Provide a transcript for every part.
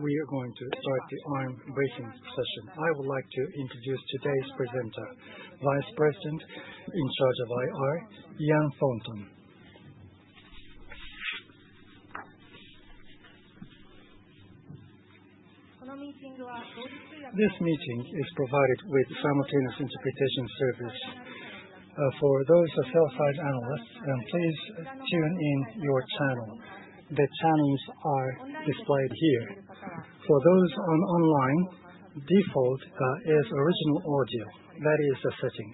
We are going to start the Arm briefing session. I would like to introduce today's presenter, Vice President in charge of IR, Ian Thornton. This meeting is provided with simultaneous interpretation service for those sell-side analysts, and please tune in your channel. The channels are displayed here. For those online, default is original audio. That is the setting.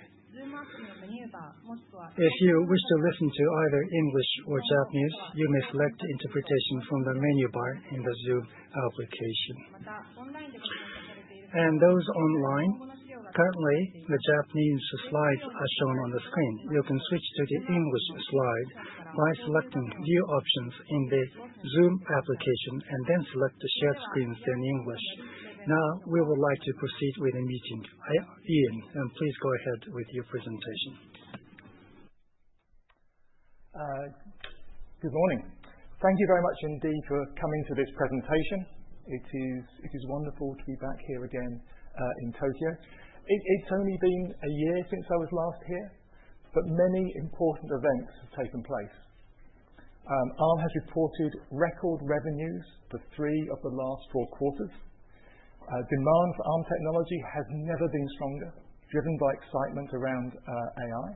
If you wish to listen to either English or Japanese, you may select the interpretation from the menu bar in the Zoom application. Those online, currently the Japanese slides are shown on the screen. You can switch to the English slide by selecting view options in the Zoom application and then select the shared screens in English. Now, we would like to proceed with the meeting. Ian, please go ahead with your presentation. Good morning. Thank you very much indeed for coming to this presentation. It is wonderful to be back here again in Tokyo. It's only been a year since I was last here, but many important events have taken place. Arm has reported record revenues for three of the last four quarters. Demand for Arm technology has never been stronger, driven by excitement around AI.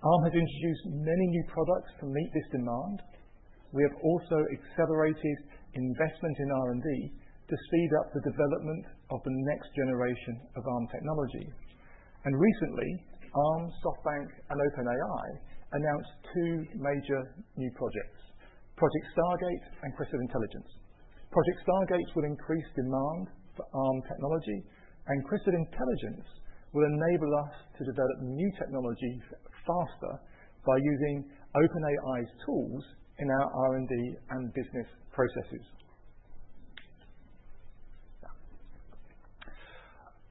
Arm has introduced many new products to meet this demand. We have also accelerated investment in R&D to speed up the development of the next generation of Arm technology. Recently, Arm, SoftBank, and OpenAI announced two major new projects: Project Stargate and Cristal intelligence. Project Stargate will increase demand for Arm technology, and Cristal intelligence will enable us to develop new technology faster by using OpenAI's tools in our R&D and business processes.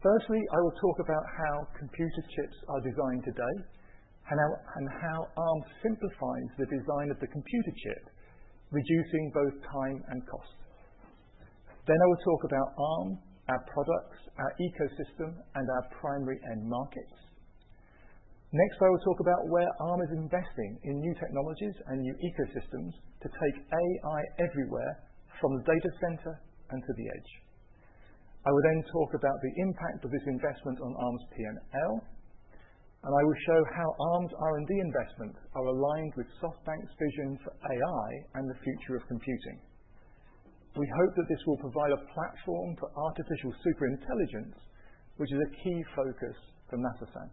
Firstly, I will talk about how computer chips are designed today and how Arm simplifies the design of the computer chip, reducing both time and cost. Then I will talk about Arm, our products, our ecosystem, and our primary end markets. Next, I will talk about where Arm is investing in new technologies and new ecosystems to take AI everywhere from the data center and to the edge. I will then talk about the impact of this investment on Arm's P&L, and I will show how Arm's R&D investments are aligned with SoftBank's vision for AI and the future of computing. We hope that this will provide a platform for artificial superintelligence, which is a key focus for ASI.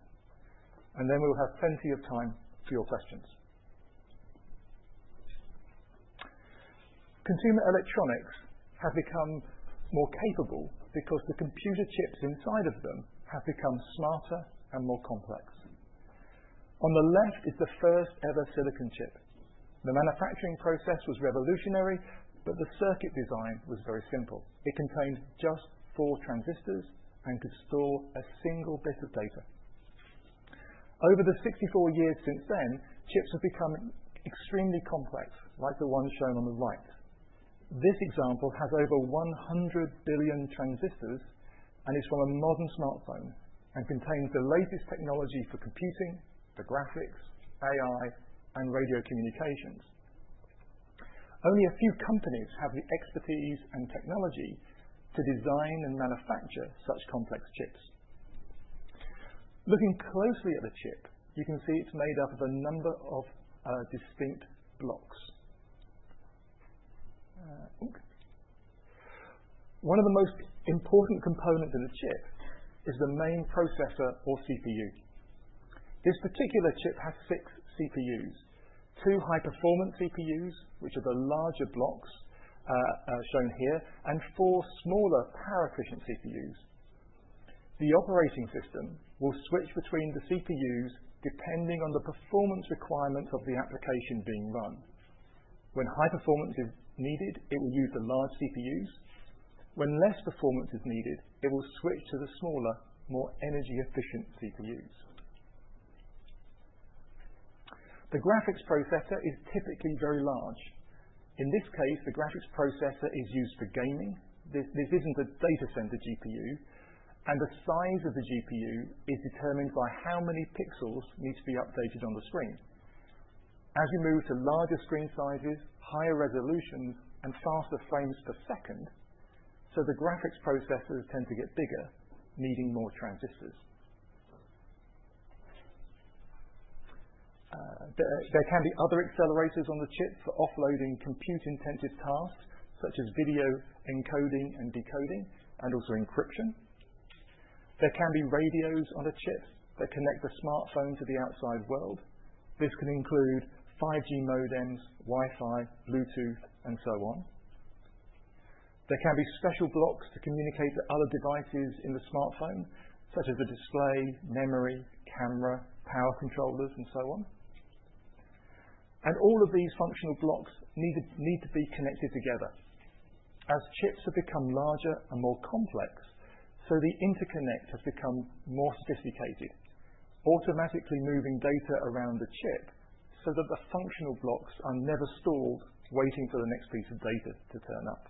We will have plenty of time for your questions. Consumer electronics have become more capable because the computer chips inside of them have become smarter and more complex. On the left is the first-ever silicon chip. The manufacturing process was revolutionary, but the circuit design was very simple. It contained just four transistors and could store a single bit of data. Over the 64 years since then, chips have become extremely complex, like the one shown on the right. This example has over 100 billion transistors and is from a modern smartphone and contains the latest technology for computing, for graphics, AI, and radio communications. Only a few companies have the expertise and technology to design and manufacture such complex chips. Looking closely at the chip, you can see it's made up of a number of distinct blocks. One of the most important components in a chip is the main processor or CPU. This particular chip has six CPUs: two high-performance CPUs, which are the larger blocks shown here, and four smaller power-efficient CPUs. The operating system will switch between the CPUs depending on the performance requirements of the application being run. When high performance is needed, it will use the large CPUs. When less performance is needed, it will switch to the smaller, more energy-efficient CPUs. The graphics processor is typically very large. In this case, the graphics processor is used for gaming. This isn't a data center GPU, and the size of the GPU is determined by how many pixels need to be updated on the screen. As you move to larger screen sizes, higher resolutions, and faster frames per second, the graphics processors tend to get bigger, needing more transistors. There can be other accelerators on the chip for offloading compute-intensive tasks such as video encoding and decoding, and also encryption. There can be radios on a chip that connect the smartphone to the outside world. This can include 5G modems, Wi-Fi, Bluetooth, and so on. There can be special blocks to communicate to other devices in the smartphone, such as the display, memory, camera, power controllers, and so on. All of these functional blocks need to be connected together. As chips have become larger and more complex, the interconnect has become more sophisticated, automatically moving data around the chip so that the functional blocks are never stalled, waiting for the next piece of data to turn up.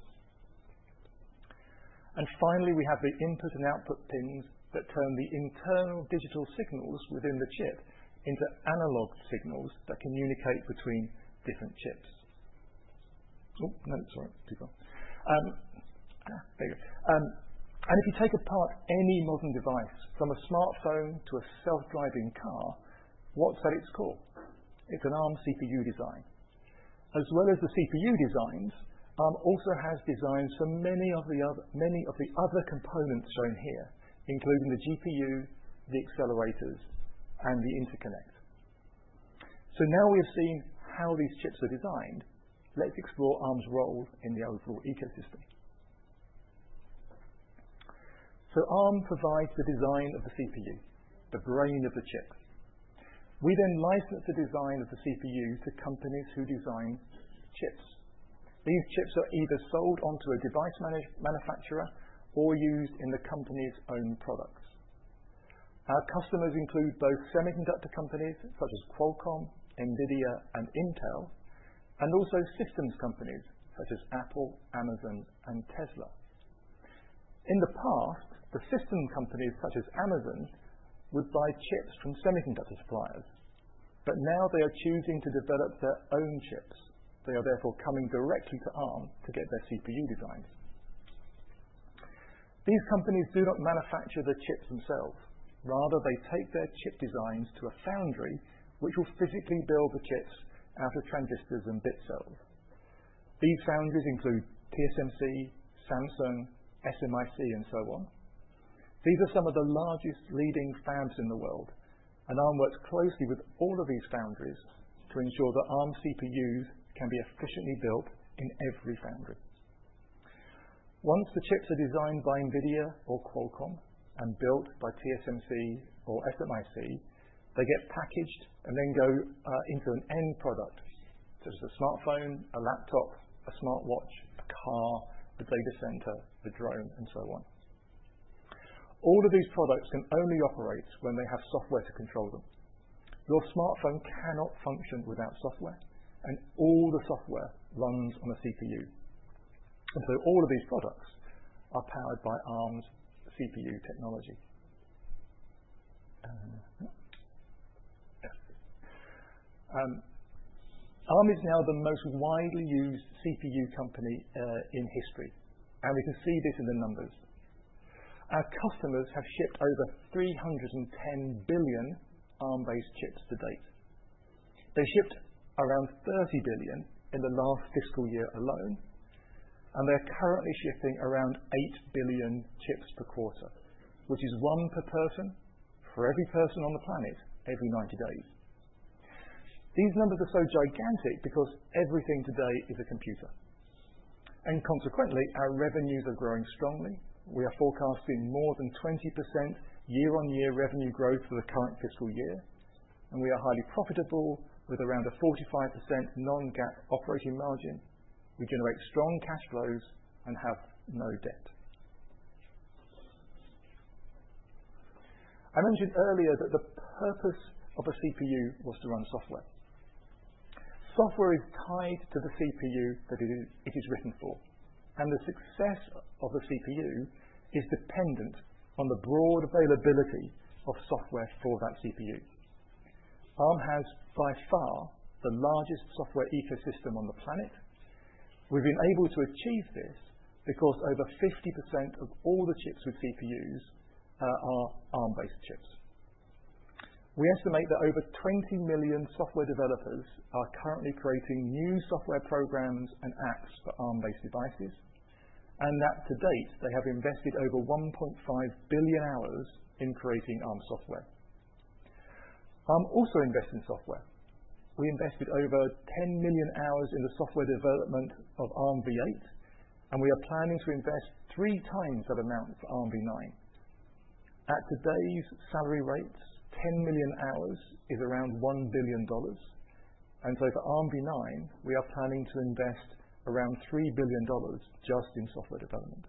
Finally, we have the input and output pins that turn the internal digital signals within the chip into analog signals that communicate between different chips. Oh, no, sorry, too far. If you take apart any modern device, from a smartphone to a self-driving car, what's at its core? It's an Arm CPU design. As well as the CPU designs, Arm also has designs for many of the other components shown here, including the GPU, the accelerators, and the interconnect. Now we have seen how these chips are designed, let's explore Arm's role in the overall ecosystem. Arm provides the design of the CPU, the brain of the chip. We then license the design of the CPU to companies who design chips. These chips are either sold onto a device manufacturer or used in the company's own products. Our customers include both semiconductor companies such as Qualcomm, NVIDIA, and Intel, and also systems companies such as Apple, Amazon, and Tesla. In the past, the system companies such as Amazon would buy chips from semiconductor suppliers, but now they are choosing to develop their own chips. They are therefore coming directly to Arm to get their CPU designs. These companies do not manufacture the chips themselves. Rather, they take their chip designs to a foundry, which will physically build the chips out of transistors and bit cells. These foundries include TSMC, Samsung, SMIC, and so on. These are some of the largest leading fabs in the world, and Arm works closely with all of these foundries to ensure that Arm CPUs can be efficiently built in every foundry. Once the chips are designed by NVIDIA or Qualcomm and built by TSMC or SMIC, they get packaged and then go into an end product such as a smartphone, a laptop, a smartwatch, a car, the data center, the drone, and so on. All of these products can only operate when they have software to control them. Your smartphone cannot function without software, and all the software runs on a CPU. All of these products are powered by Arm's CPU technology. Arm is now the most widely used CPU company in history, and we can see this in the numbers. Our customers have shipped over 310 billion Arm-based chips to date. They shipped around 30 billion in the last fiscal year alone, and they are currently shipping around 8 billion chips per quarter, which is one per person for every person on the planet every 90 days. These numbers are so gigantic because everything today is a computer. Consequently, our revenues are growing strongly. We are forecasting more than 20% year-on-year revenue growth for the current fiscal year, and we are highly profitable with around a 45% non-GAAP operating margin. We generate strong cash flows and have no debt. I mentioned earlier that the purpose of a CPU was to run software. Software is tied to the CPU that it is written for, and the success of the CPU is dependent on the broad availability of software for that CPU. Arm has by far the largest software ecosystem on the planet. We've been able to achieve this because over 50% of all the chips with CPUs are Arm-based chips. We estimate that over 20 million software developers are currently creating new software programs and apps for Arm-based devices, and that to date, they have invested over 1.5 billion hours in creating Arm software. Arm also invests in software. We invested over 10 million hours in the software development of Armv8, and we are planning to invest three times that amount for Armv9. At today's salary rates, 10 million hours is around $1 billion. For Armv9, we are planning to invest around $3 billion just in software development.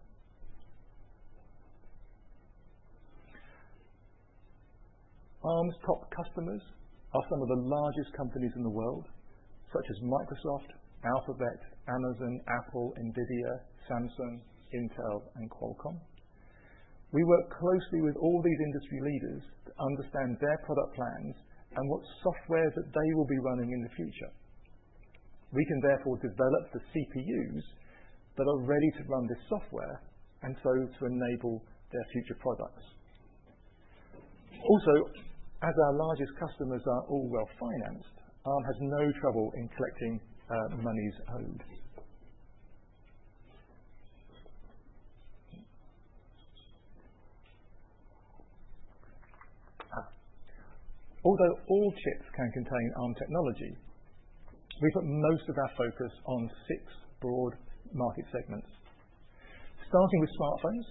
Arm's top customers are some of the largest companies in the world, such as Microsoft, Alphabet, Amazon, Apple, NVIDIA, Samsung, Intel, and Qualcomm. We work closely with all these industry leaders to understand their product plans and what software that they will be running in the future. We can therefore develop the CPUs that are ready to run this software and so to enable their future products. Also, as our largest customers are all well-financed, Arm has no trouble in collecting monies owed. Although all chips can contain Arm technology, we put most of our focus on six broad market segments. Starting with smartphones,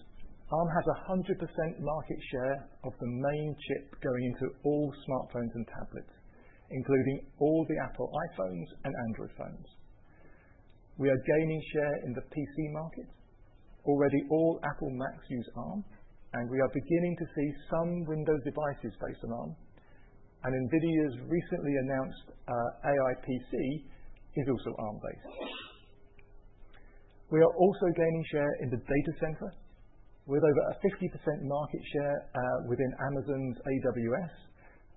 Arm has a 100% market share of the main chip going into all smartphones and tablets, including all the Apple iPhones and Android phones. We are gaining share in the PC market. Already, all Apple Macs use Arm, and we are beginning to see some Windows devices based on Arm. NVIDIA's recently announced AI PC is also Arm-based. We are also gaining share in the data center, with over a 50% market share within Amazon's AWS,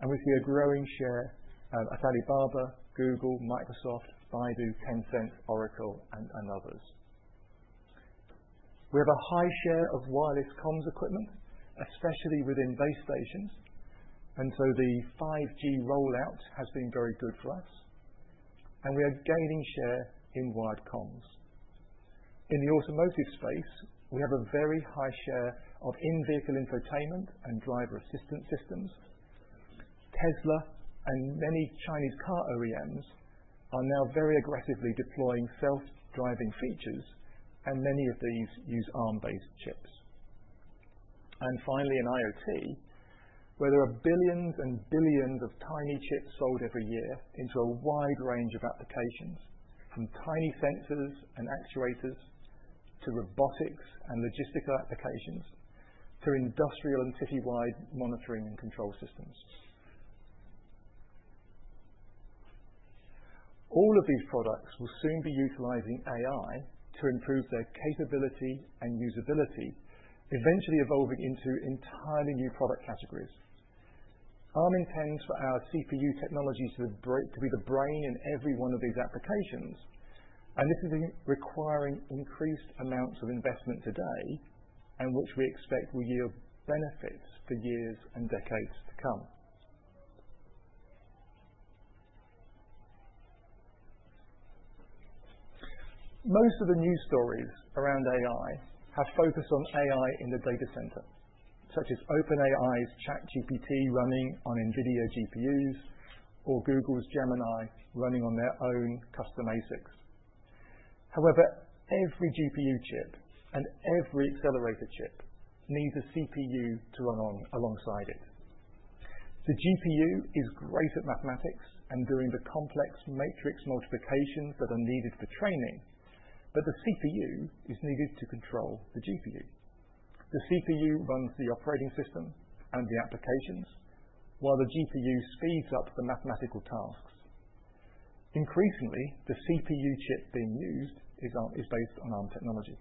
and we see a growing share at Alibaba, Google, Microsoft, Baidu, Tencent, Oracle, and others. We have a high share of wireless comms equipment, especially within base stations, and the 5G rollout has been very good for us, and we are gaining share in wired comms. In the automotive space, we have a very high share of in-vehicle infotainment and driver assistance systems. Tesla and many Chinese car OEMs are now very aggressively deploying self-driving features, and many of these use Arm-based chips. Finally, in IoT, where there are billions and billions of tiny chips sold every year into a wide range of applications, from tiny sensors and actuators to robotics and logistical applications to industrial and citywide monitoring and control systems. All of these products will soon be utilizing AI to improve their capability and usability, eventually evolving into entirely new product categories. Arm intends for our CPU technology to be the brain in every one of these applications, and this is requiring increased amounts of investment today, which we expect will yield benefits for years and decades to come. Most of the news stories around AI have focused on AI in the data center, such as OpenAI's ChatGPT running on NVIDIA GPUs or Google's Gemini running on their own custom ASICs. However, every GPU chip and every accelerator chip needs a CPU to run alongside it. The GPU is great at mathematics and doing the complex matrix multiplications that are needed for training, but the CPU is needed to control the GPU. The CPU runs the operating system and the applications, while the GPU speeds up the mathematical tasks. Increasingly, the CPU chip being used is based on Arm technology.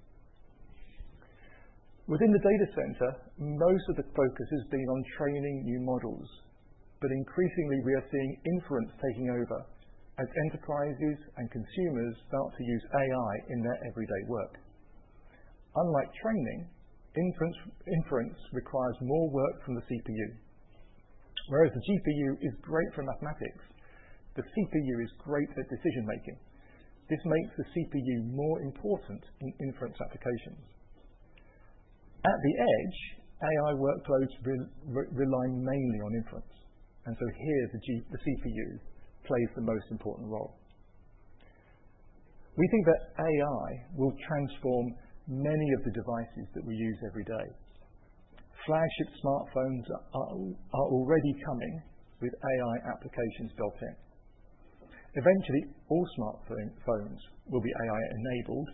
Within the data center, most of the focus has been on training new models, but increasingly, we are seeing inference taking over as enterprises and consumers start to use AI in their everyday work. Unlike training, inference requires more work from the CPU. Whereas the GPU is great for mathematics, the CPU is great at decision-making. This makes the CPU more important in inference applications. At the edge, AI workloads rely mainly on inference, and so here the CPU plays the most important role. We think that AI will transform many of the devices that we use every day. Flagship smartphones are already coming with AI applications built in. Eventually, all smartphones will be AI-enabled,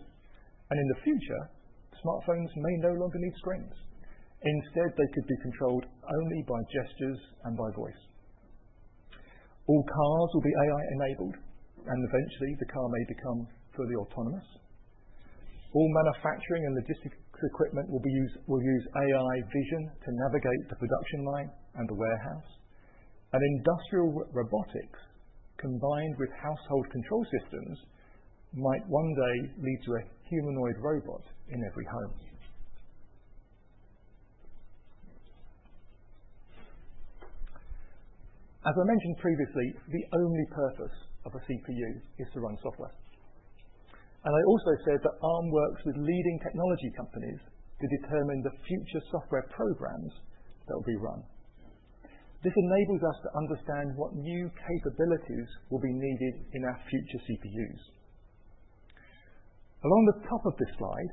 and in the future, smartphones may no longer need screens. Instead, they could be controlled only by gestures and by voice. All cars will be AI-enabled, and eventually, the car may become fully autonomous. All manufacturing and logistics equipment will use AI vision to navigate the production line and the warehouse. Industrial robotics, combined with household control systems, might one day lead to a humanoid robot in every home. As I mentioned previously, the only purpose of a CPU is to run software. I also said that Arm works with leading technology companies to determine the future software programs that will be run. This enables us to understand what new capabilities will be needed in our future CPUs. Along the top of this slide,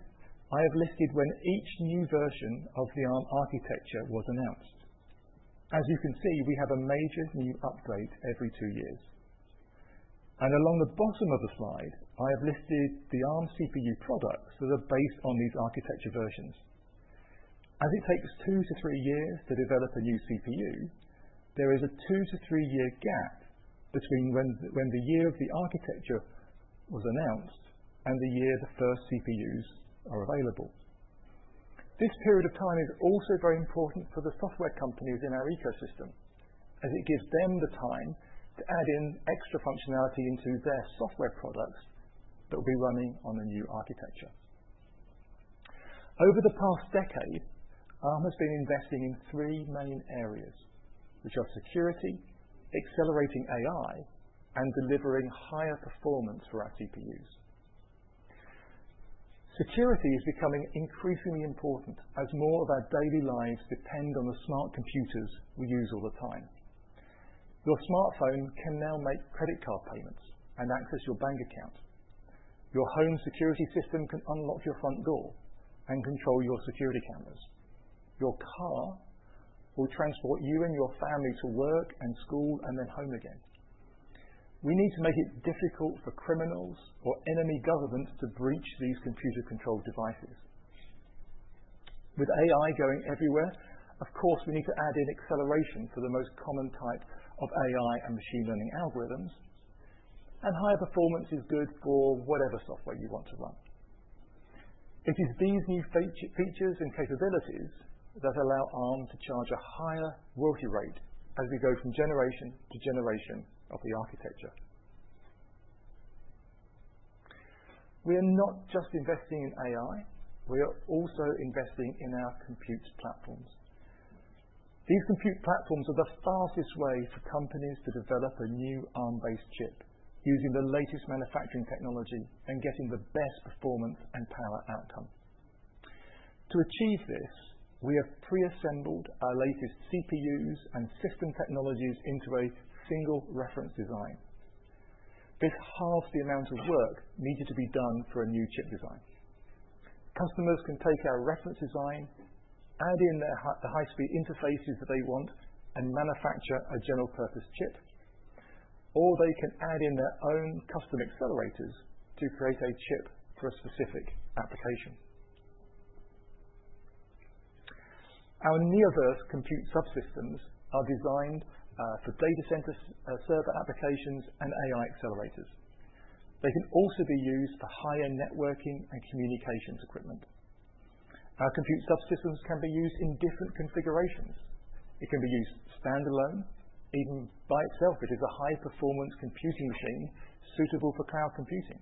I have listed when each new version of the Arm architecture was announced. As you can see, we have a major new update every two years. Along the bottom of the slide, I have listed the Arm CPU products that are based on these architecture versions. As it takes two to three years to develop a new CPU, there is a two to three-year gap between when the year of the architecture was announced and the year the first CPUs are available. This period of time is also very important for the software companies in our ecosystem, as it gives them the time to add in extra functionality into their software products that will be running on the new architecture. Over the past decade, Arm has been investing in three main areas, which are security, accelerating AI, and delivering higher performance for our CPUs. Security is becoming increasingly important as more of our daily lives depend on the smart computers we use all the time. Your smartphone can now make credit card payments and access your bank account. Your home security system can unlock your front door and control your security cameras. Your car will transport you and your family to work and school and then home again. We need to make it difficult for criminals or enemy governments to breach these computer-controlled devices. With AI going everywhere, of course, we need to add in acceleration for the most common type of AI and machine learning algorithms, and higher performance is good for whatever software you want to run. It is these new features and capabilities that allow Arm to charge a higher royalty rate as we go from generation to generation of the architecture. We are not just investing in AI; we are also investing in our compute platforms. These compute platforms are the fastest way for companies to develop a new Arm-based chip using the latest manufacturing technology and getting the best performance and power outcome. To achieve this, we have pre-assembled our latest CPUs and system technologies into a single reference design. This halves the amount of work needed to be done for a new chip design. Customers can take our reference design, add in the high-speed interfaces that they want, and manufacture a general-purpose chip, or they can add in their own custom accelerators to create a chip for a specific application. Our Neoverse compute subsystems are designed for data center server applications and AI accelerators. They can also be used for higher networking and communications equipment. Our compute subsystems can be used in different configurations. It can be used standalone, even by itself. It is a high-performance computing machine suitable for cloud computing.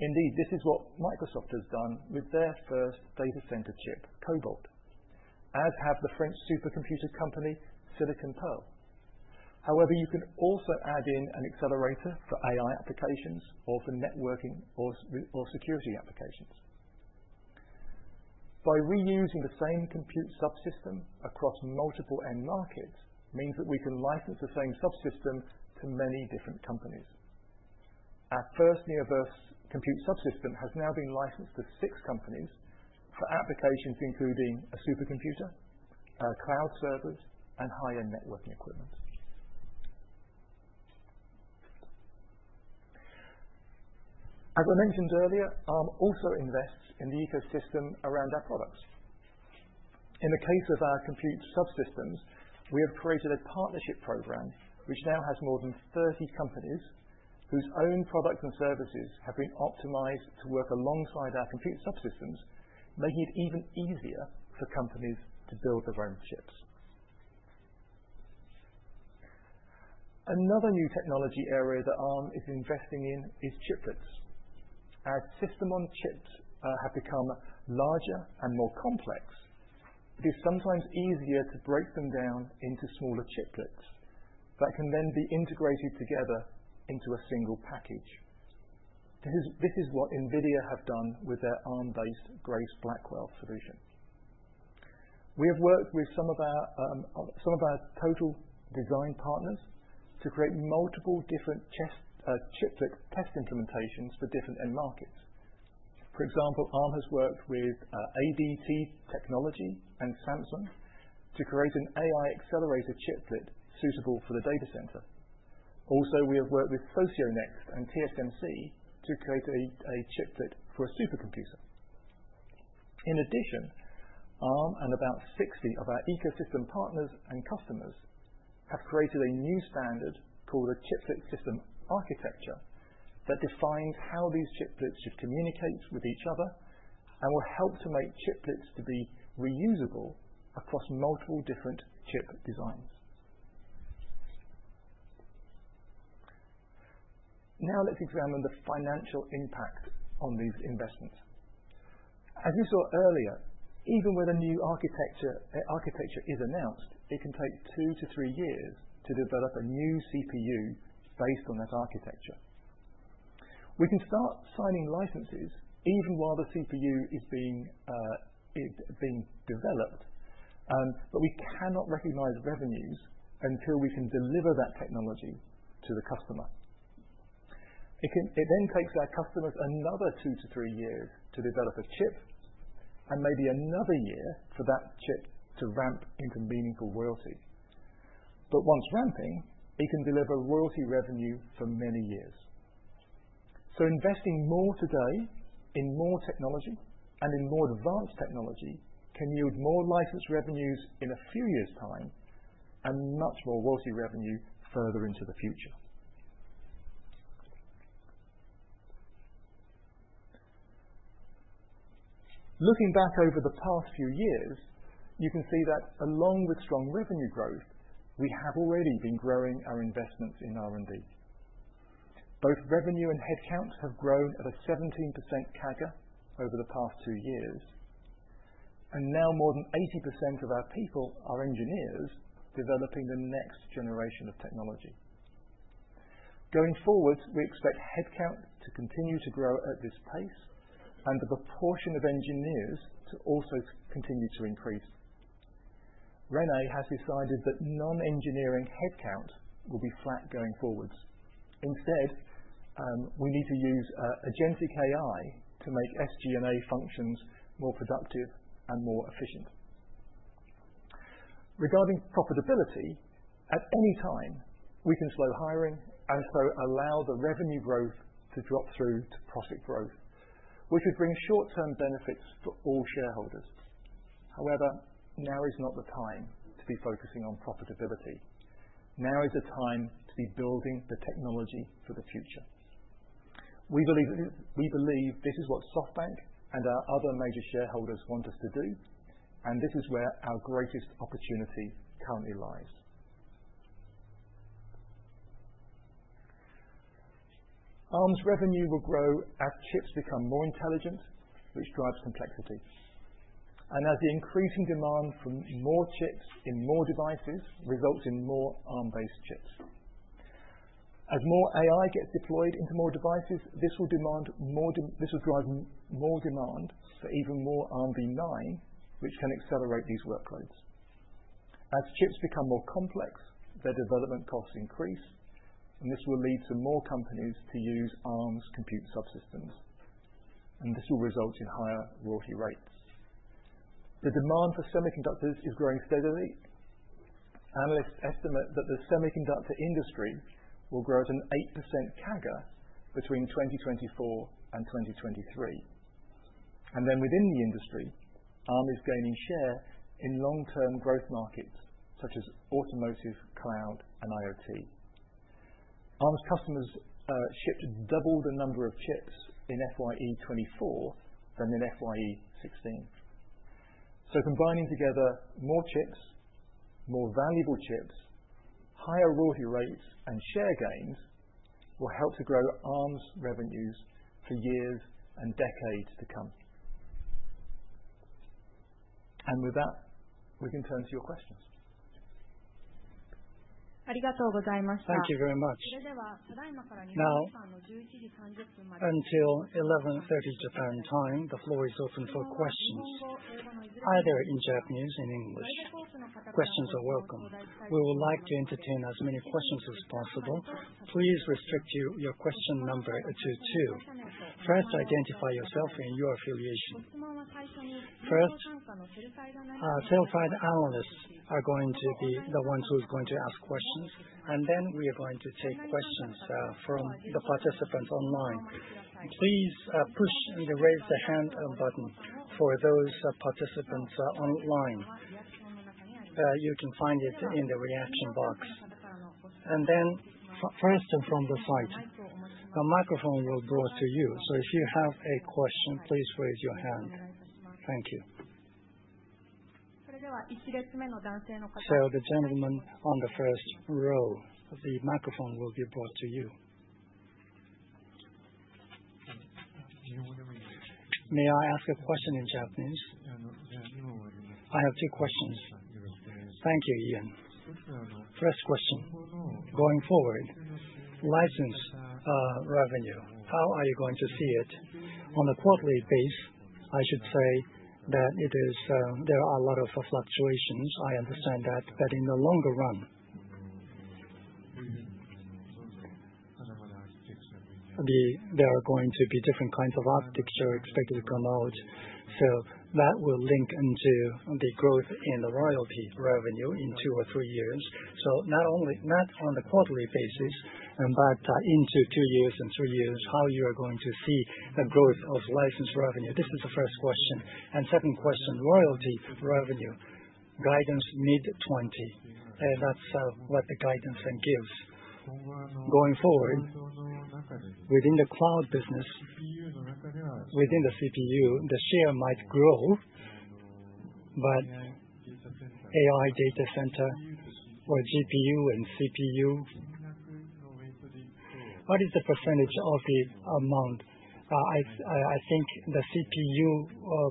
Indeed, this is what Microsoft has done with their first data center chip, Cobalt, as have the French supercomputer company, Silicon Pearl. However, you can also add in an accelerator for AI applications or for networking or security applications. By reusing the same compute subsystem across multiple end markets means that we can license the same subsystem to many different companies. Our first Neoverse compute subsystem has now been licensed to six companies for applications including a supercomputer, cloud servers, and high-end networking equipment. As I mentioned earlier, Arm also invests in the ecosystem around our products. In the case of our compute subsystems, we have created a partnership program, which now has more than 30 companies whose own products and services have been optimized to work alongside our compute subsystems, making it even easier for companies to build their own chips. Another new technology area that Arm is investing in is chiplets. As system-on-chips have become larger and more complex, it is sometimes easier to break them down into smaller chiplets that can then be integrated together into a single package. This is what NVIDIA has done with their Arm-based Grace Blackwell solution. We have worked with some of our Total Design partners to create multiple different chiplet test implementations for different end markets. For example, Arm has worked with ADT Technology and Samsung to create an AI accelerator chiplet suitable for the data center. Also, we have worked with SocioNext and TSMC to create a chiplet for a supercomputer. In addition, Arm and about 60 of our ecosystem partners and customers have created a new standard called a chiplet system architecture that defines how these chiplets should communicate with each other and will help to make chiplets to be reusable across multiple different chip designs. Now let's examine the financial impact on these investments. As we saw earlier, even when a new architecture is announced, it can take two to three years to develop a new CPU based on that architecture. We can start signing licenses even while the CPU is being developed, but we cannot recognize revenues until we can deliver that technology to the customer. It then takes our customers another two to three years to develop a chip and maybe another year for that chip to ramp into meaningful royalty. Once ramping, it can deliver royalty revenue for many years. Investing more today in more technology and in more advanced technology can yield more license revenues in a few years' time and much more royalty revenue further into the future. Looking back over the past few years, you can see that along with strong revenue growth, we have already been growing our investments in R&D. Both revenue and headcount have grown at a 17% CAGR over the past two years, and now more than 80% of our people are engineers developing the next generation of technology. Going forwards, we expect headcount to continue to grow at this pace and the proportion of engineers to also continue to increase. Rene has decided that non-engineering headcount will be flat going forwards. Instead, we need to use agentic AI to make SG&A functions more productive and more efficient. Regarding profitability, at any time, we can slow hiring and so allow the revenue growth to drop through to profit growth, which would bring short-term benefits for all shareholders. However, now is not the time to be focusing on profitability. Now is the time to be building the technology for the future. We believe this is what SoftBank and our other major shareholders want us to do, and this is where our greatest opportunity currently lies. Arm's revenue will grow as chips become more intelligent, which drives complexity. As the increasing demand for more chips in more devices results in more Arm-based chips. As more AI gets deployed into more devices, this will drive more demand for even more Armv9, which can accelerate these workloads. As chips become more complex, their development costs increase, and this will lead to more companies to use Arm's compute subsystems, and this will result in higher royalty rates. The demand for semiconductors is growing steadily. Analysts estimate that the semiconductor industry will grow at an 8% CAGR between 2024 and 2023. Within the industry, Arm is gaining share in long-term growth markets such as automotive, cloud, and IoT. Arm's customers shipped double the number of chips in FYE24 than in FYE16. Combining together more chips, more valuable chips, higher royalty rates, and share gains will help to grow Arm's revenues for years and decades to come. With that, we can turn to your questions. ありがとうございました。Thank you very much. それでは、ただいまから日本時間の11時30分まで。Now, until 11:30 Japan time, the floor is open for questions. Either in Japanese or in English, questions are welcome. We would like to entertain as many questions as possible. Please restrict your question number to two. First, identify yourself and your affiliation. First, the Telpride analysts are going to be the ones who are going to ask questions, and then we are going to take questions from the participants online. Please push and raise the hand button for those participants online. You can find it in the reaction box. Then, from the site, a microphone will be brought to you. If you have a question, please raise your hand. Thank you. The gentleman on the first row, the microphone will be brought to you. May I ask a question in Japanese? I have two questions. Thank you, Ian. First question. Going forward, license revenue. How are you going to see it? On a quarterly basis, I should say that there are a lot of fluctuations. I understand that, but in the longer run, there are going to be different kinds of pictures are expected to come out. That will link into the growth in the royalty revenue in two or three years. Not on the quarterly basis, but in two years and three years, how you are going to see the growth of license revenue. This is the first question. Second question, royalty revenue. Guidance mid-20, and that's what the guidance then gives. Going forward, within the cloud business, within the CPU, the share might grow, but AI data center or GPU and CPU, what is the percentage of the amount? I think the CPU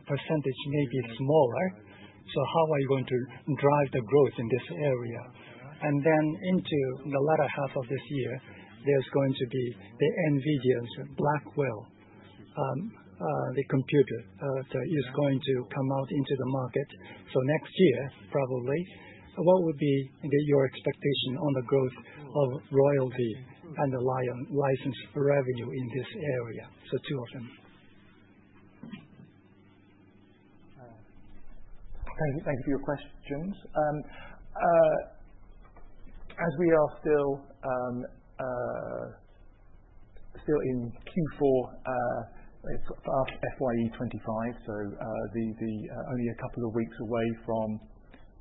percentage may be smaller, so how are you going to drive the growth in this area? Then into the latter half of this year, there's going to be the NVIDIA Blackwell, the computer that is going to come out into the market. Next year, probably, what would be your expectation on the growth of royalty and the license revenue in this area? Two of them. Thank you for your questions. As we are still in Q4 after FYE2025, only a couple of weeks away from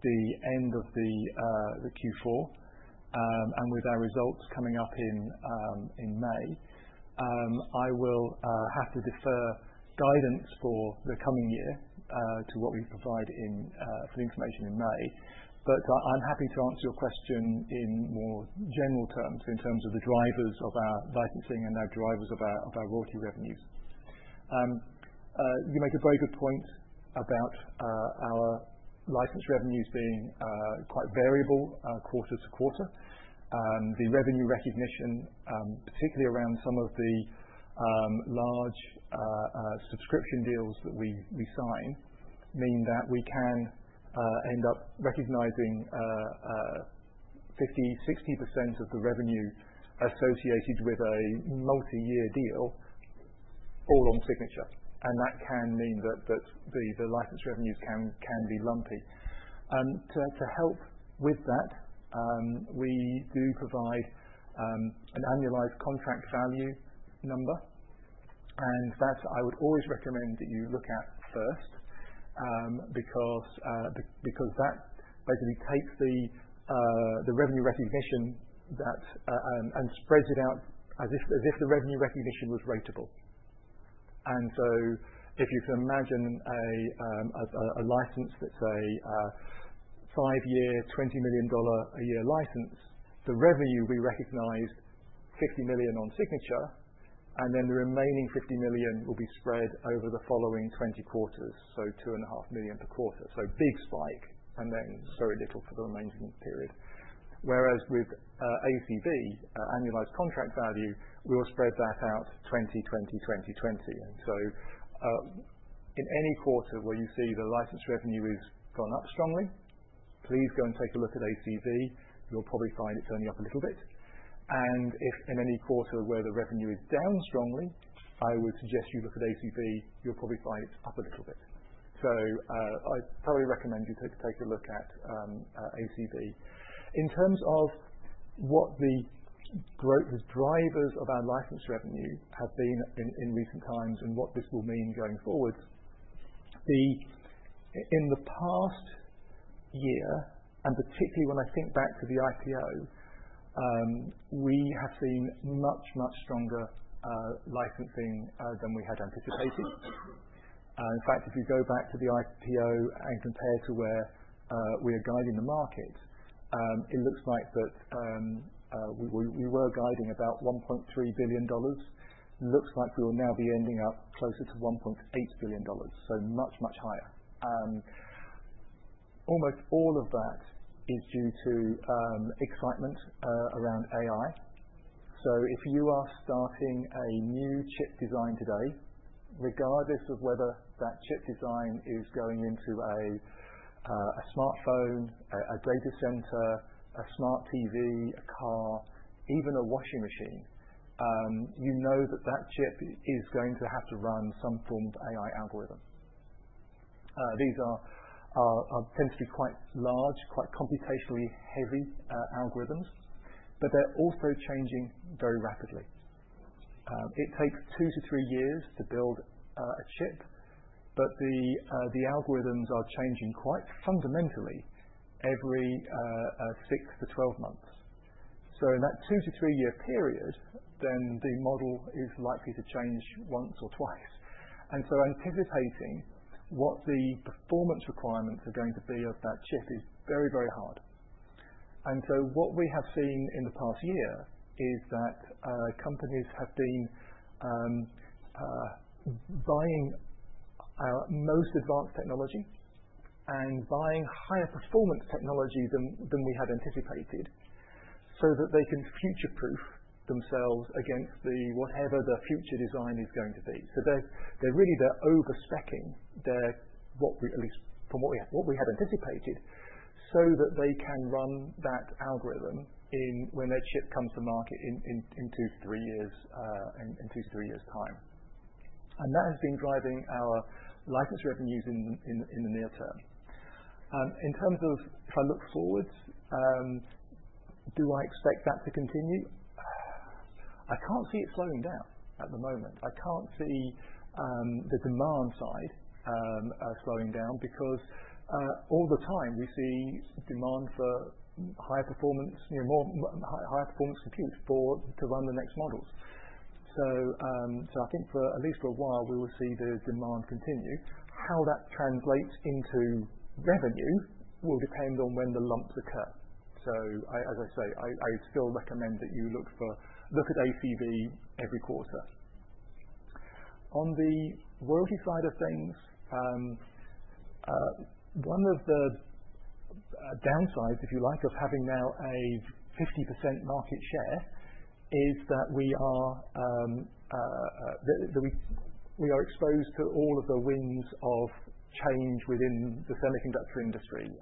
the end of the Q4, and with our results coming up in May, I will have to defer guidance for the coming year to what we provide for the information in May. I'm happy to answer your question in more general terms in terms of the drivers of our licensing and our drivers of our royalty revenues. You make a very good point about our license revenues being quite variable quarter to quarter. The revenue recognition, particularly around some of the large subscription deals that we sign, means that we can end up recognizing 50-60% of the revenue associated with a multi-year deal all on signature. That can mean that the license revenues can be lumpy. To help with that, we do provide an annualized contract value number, and that I would always recommend that you look at first because that basically takes the revenue recognition and spreads it out as if the revenue recognition was ratable. If you can imagine a license that is a five-year, $20 million a year license, the revenue we recognized is $50 million on signature, and then the remaining $50 million will be spread over the following 20 quarters, so $2.5 million per quarter. Big spike and then very little for the remaining period. Whereas with ACV, annualized contract value, we will spread that out 20, 20, 20, 20. In any quarter where you see the license revenue has gone up strongly, please go and take a look at ACV. You'll probably find it's only up a little bit. If in any quarter where the revenue is down strongly, I would suggest you look at ACV. You'll probably find it's up a little bit. I'd probably recommend you take a look at ACV. In terms of what the drivers of our license revenue have been in recent times and what this will mean going forward, in the past year, and particularly when I think back to the IPO, we have seen much, much stronger licensing than we had anticipated. In fact, if you go back to the IPO and compare to where we are guiding the market, it looks like that we were guiding about $1.3 billion. Looks like we will now be ending up closer to $1.8 billion. Much, much higher. Almost all of that is due to excitement around AI. If you are starting a new chip design today, regardless of whether that chip design is going into a smartphone, a data center, a smart TV, a car, even a washing machine, you know that that chip is going to have to run some form of AI algorithm. These tend to be quite large, quite computationally heavy algorithms, but they're also changing very rapidly. It takes two to three years to build a chip, but the algorithms are changing quite fundamentally every 6 to 12 months. In that two to three-year period, then the model is likely to change once or twice. Anticipating what the performance requirements are going to be of that chip is very, very hard. What we have seen in the past year is that companies have been buying our most advanced technology and buying higher performance technology than we had anticipated so that they can future-proof themselves against whatever the future design is going to be. They are really overspeccing what we had anticipated so that they can run that algorithm when that chip comes to market in two to three years' time. That has been driving our license revenues in the near term. In terms of if I look forwards, do I expect that to continue? I can't see it slowing down at the moment. I can't see the demand side slowing down because all the time we see demand for higher performance compute to run the next models. I think at least for a while, we will see the demand continue. How that translates into revenue will depend on when the lumps occur. As I say, I still recommend that you look at ACV every quarter. On the royalty side of things, one of the downsides, if you like, of having now a 50% market share is that we are exposed to all of the winds of change within the semiconductor industry.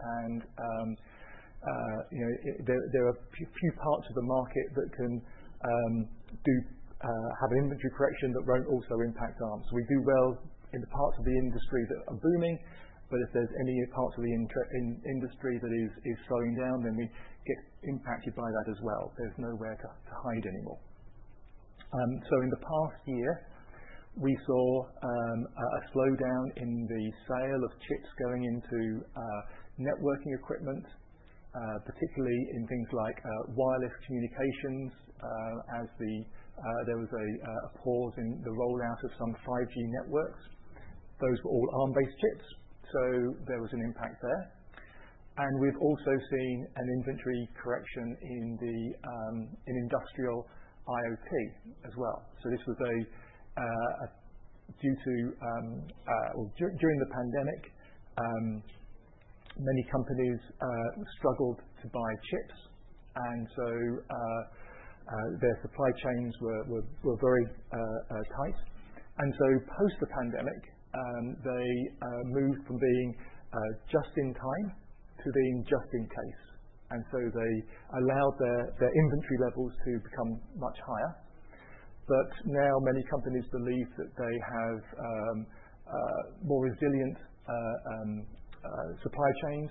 There are a few parts of the market that can have an inventory correction that won't also impact Arm's. We do well in the parts of the industry that are booming, but if there's any parts of the industry that is slowing down, then we get impacted by that as well. There's nowhere to hide anymore. In the past year, we saw a slowdown in the sale of chips going into networking equipment, particularly in things like wireless communications as there was a pause in the rollout of some 5G networks. Those were all Arm-based chips, so there was an impact there. We've also seen an inventory correction in industrial IoT as well. This was due to during the pandemic, many companies struggled to buy chips, and so their supply chains were very tight. Post the pandemic, they moved from being just in time to being just in case. They allowed their inventory levels to become much higher. Now many companies believe that they have more resilient supply chains,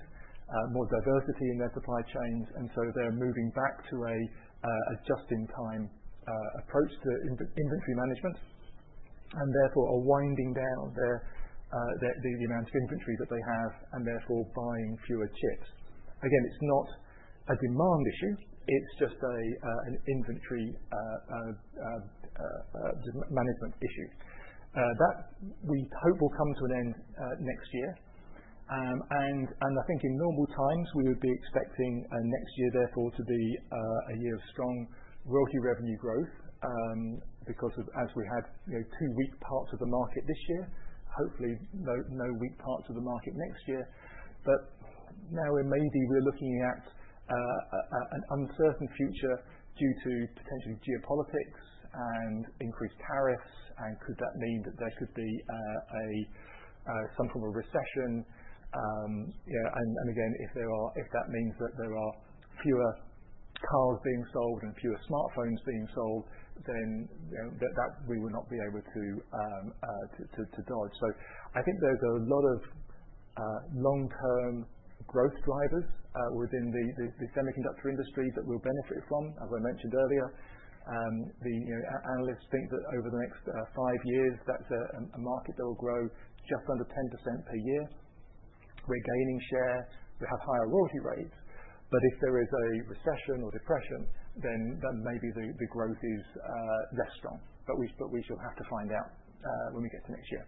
more diversity in their supply chains, and so they're moving back to a just-in-time approach to inventory management and therefore are winding down the amount of inventory that they have and therefore buying fewer chips. Again, it's not a demand issue. It's just an inventory management issue. That we hope will come to an end next year. I think in normal times, we would be expecting next year, therefore, to be a year of strong royalty revenue growth because of, as we had, two weak parts of the market this year. Hopefully, no weak parts of the market next year. Now we're maybe looking at an uncertain future due to potentially geopolitics and increased tariffs. Could that mean that there could be some form of recession? If that means that there are fewer cars being sold and fewer smartphones being sold, then that we will not be able to dodge. I think there's a lot of long-term growth drivers within the semiconductor industry that will benefit from, as I mentioned earlier. The analysts think that over the next five years, that's a market that will grow just under 10% per year. We're gaining share. We have higher royalty rates. If there is a recession or depression, then maybe the growth is less strong. We shall have to find out when we get to next year.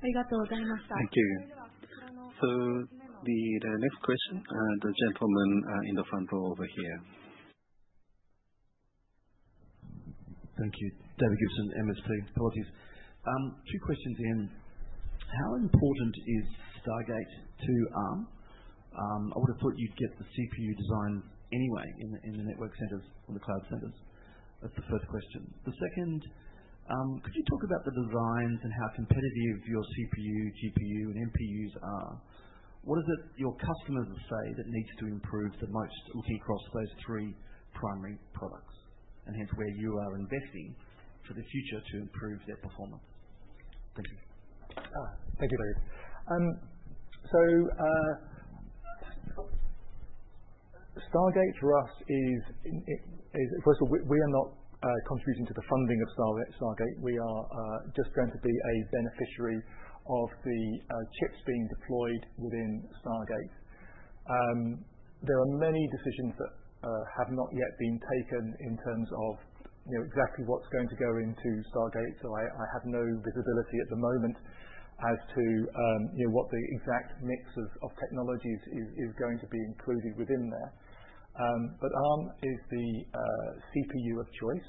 Thank you. The next question, the gentleman in the front row over here. Thank you. David Gibson, MSP, apologies. Two questions here. How important is Stargate to Arm? I would have thought you'd get the CPU designs anyway in the network centers or the cloud centers. That's the first question. The second, could you talk about the designs and how competitive your CPU, GPU, and NPUs are? What is it your customers say that needs to improve the most looking across those three primary products? Hence, where you are investing for the future to improve their performance? Thank you. Thank you, David. Stargate for us is, first of all, we are not contributing to the funding of Stargate. We are just going to be a beneficiary of the chips being deployed within Stargate. There are many decisions that have not yet been taken in terms of exactly what is going to go into Stargate. I have no visibility at the moment as to what the exact mix of technologies is going to be included within there. Arm is the CPU of choice.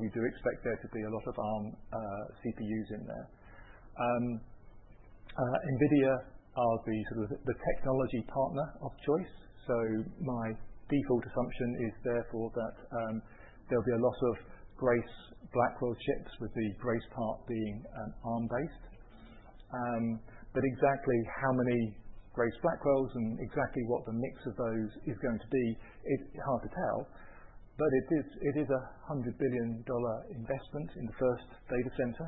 We do expect there to be a lot of Arm CPUs in there. NVIDIA are the technology partner of choice. My default assumption is therefore that there will be a lot of Grace Blackwell chips with the Grace part being Arm-based. Exactly how many Grace Blackwells and exactly what the mix of those is going to be is hard to tell. It is a $100 billion investment in the first data center.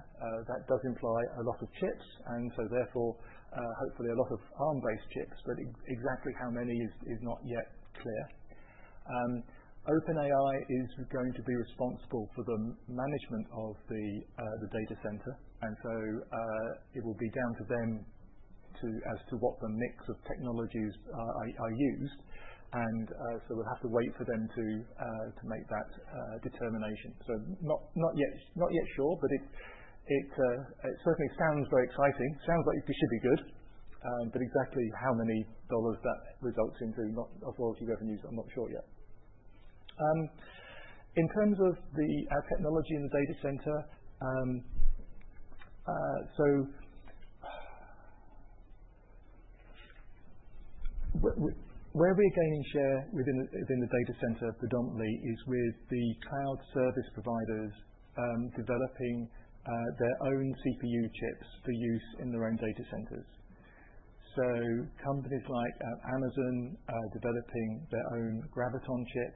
That does imply a lot of chips. Therefore, hopefully, a lot of Arm-based chips. Exactly how many is not yet clear. OpenAI is going to be responsible for the management of the data center. It will be down to them as to what the mix of technologies are used. We will have to wait for them to make that determination. Not yet sure, but it certainly sounds very exciting. Sounds like it should be good. Exactly how many dollars that results into royalty revenues, I'm not sure yet. In terms of our technology in the data center, where we're gaining share within the data center predominantly is with the cloud service providers developing their own CPU chips for use in their own data centers. Companies like Amazon developing their own Graviton chip,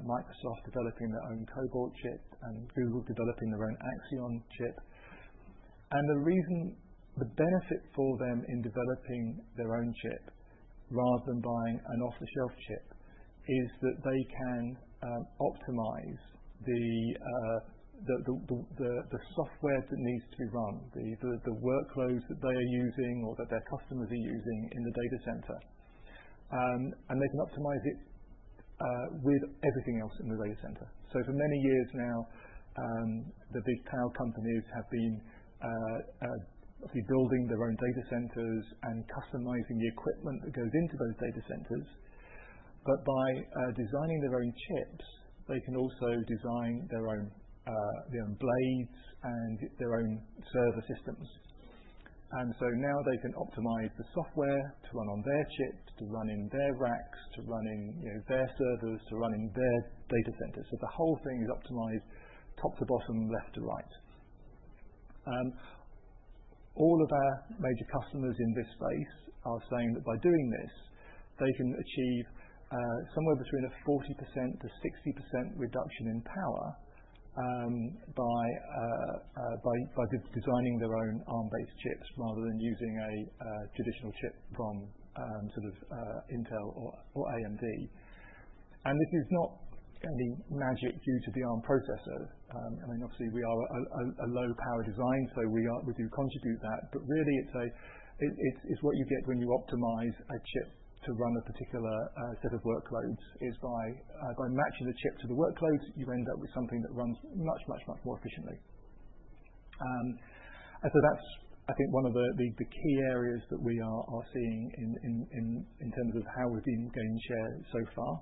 Microsoft developing their own Cobalt chip, and Google developing their own Axion chip. The benefit for them in developing their own chip rather than buying an off-the-shelf chip is that they can optimize the software that needs to be run, the workloads that they are using or that their customers are using in the data center. They can optimize it with everything else in the data center. For many years now, the big cloud companies have been building their own data centers and customizing the equipment that goes into those data centers. By designing their own chips, they can also design their own blades and their own server systems. Now they can optimize the software to run on their chip, to run in their racks, to run in their servers, to run in their data centers. The whole thing is optimized top to bottom, left to right. All of our major customers in this space are saying that by doing this, they can achieve somewhere between a 40%-60% reduction in power by designing their own Arm-based chips rather than using a traditional chip from sort of Intel or AMD. This is not any magic due to the Arm processor. I mean, obviously, we are a low-power design, so we do contribute that. Really, it's what you get when you optimize a chip to run a particular set of workloads. It's by matching the chip to the workloads, you end up with something that runs much, much, much more efficiently. That's, I think, one of the key areas that we are seeing in terms of how we've been gaining share so far.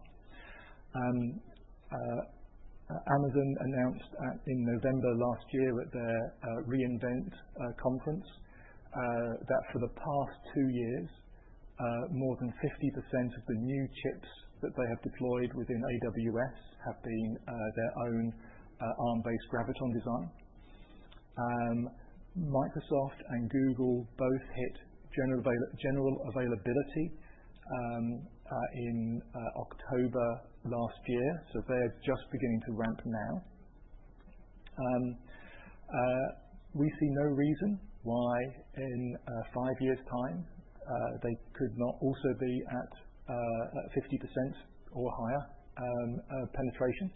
Amazon announced in November last year at their re:Invent conference that for the past two years, more than 50% of the new chips that they have deployed within AWS have been their own Arm-based Graviton design. Microsoft and Google both hit general availability in October last year. They're just beginning to ramp now. We see no reason why in five years' time they could not also be at 50% or higher penetration.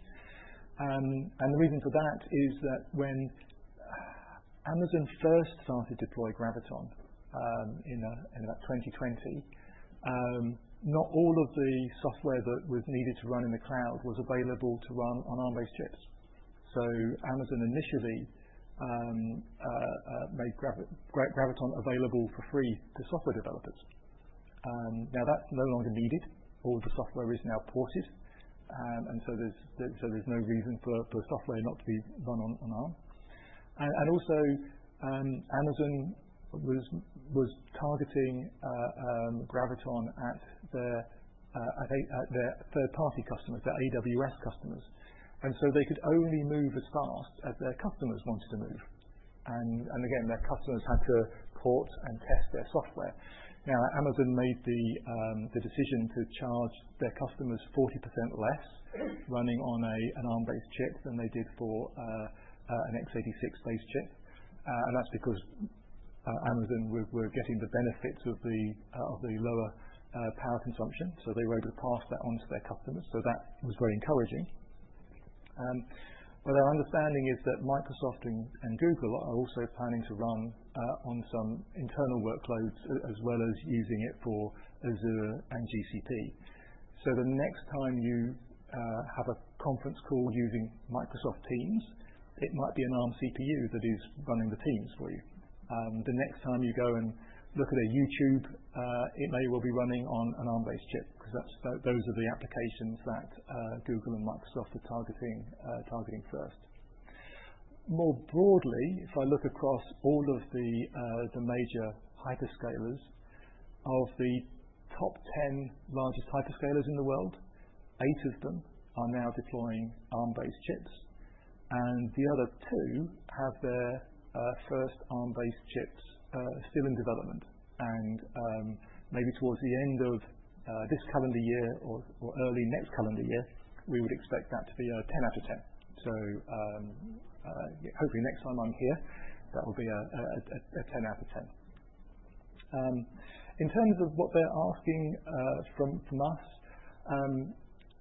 The reason for that is that when Amazon first started to deploy Graviton in about 2020, not all of the software that was needed to run in the cloud was available to run on Arm-based chips. Amazon initially made Graviton available for free to software developers. Now that's no longer needed. All the software is now ported. There is no reason for software not to be run on Arm. Also, Amazon was targeting Graviton at their third-party customers, their AWS customers. They could only move as fast as their customers wanted to move. Their customers had to port and test their software. Amazon made the decision to charge their customers 40% less running on an Arm-based chip than they did for an x86-based chip. That is because Amazon were getting the benefits of the lower power consumption. They were able to pass that on to their customers. That was very encouraging. Our understanding is that Microsoft and Google are also planning to run on some internal workloads as well as using it for Azure and GCP. The next time you have a conference call using Microsoft Teams, it might be an Arm CPU that is running the Teams for you. The next time you go and look at a YouTube, it may well be running on an Arm-based chip because those are the applications that Google and Microsoft are targeting first. More broadly, if I look across all of the major hyperscalers, of the top 10 largest hyperscalers in the world, 8 of them are now deploying Arm-based chips. The other 2 have their first Arm-based chips still in development. Maybe towards the end of this calendar year or early next calendar year, we would expect that to be a 10 out of 10. Hopefully, next time I'm here, that will be a 10 out of 10. In terms of what they're asking from us,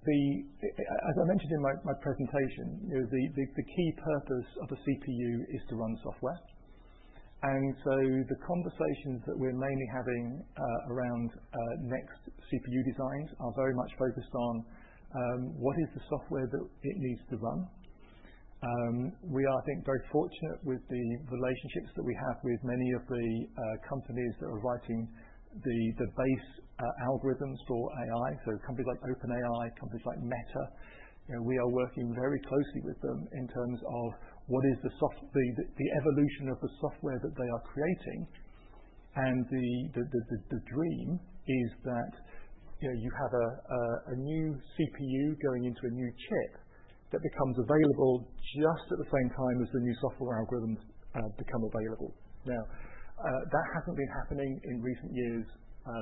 as I mentioned in my presentation, the key purpose of a CPU is to run software. The conversations that we're mainly having around next CPU designs are very much focused on what is the software that it needs to run. We are, I think, very fortunate with the relationships that we have with many of the companies that are writing the base algorithms for AI. Companies like OpenAI, companies like Meta, we are working very closely with them in terms of what is the evolution of the software that they are creating. The dream is that you have a new CPU going into a new chip that becomes available just at the same time as the new software algorithms become available. That hasn't been happening in recent years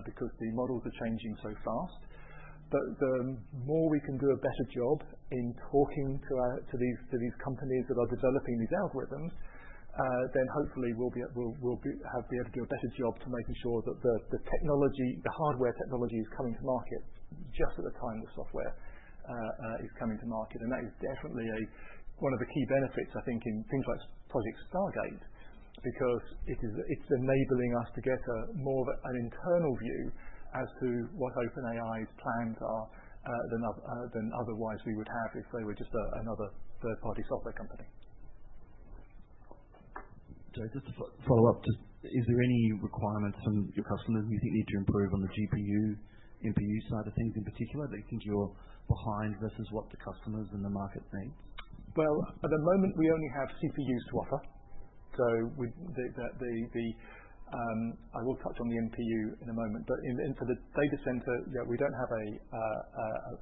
because the models are changing so fast. The more we can do a better job in talking to these companies that are developing these algorithms, then hopefully, we'll be able to do a better job to making sure that the hardware technology is coming to market just at the time the software is coming to market. That is definitely one of the key benefits, I think, in things like Project Stargate because it's enabling us to get more of an internal view as to what OpenAI's plans are than otherwise we would have if they were just another third-party software company. Just to follow up, is there any requirements from your customers you think need to improve on the GPU, NPU side of things in particular that you think you're behind versus what the customers and the market needs? At the moment, we only have CPUs to offer. I will touch on the NPU in a moment. For the data center, we do not have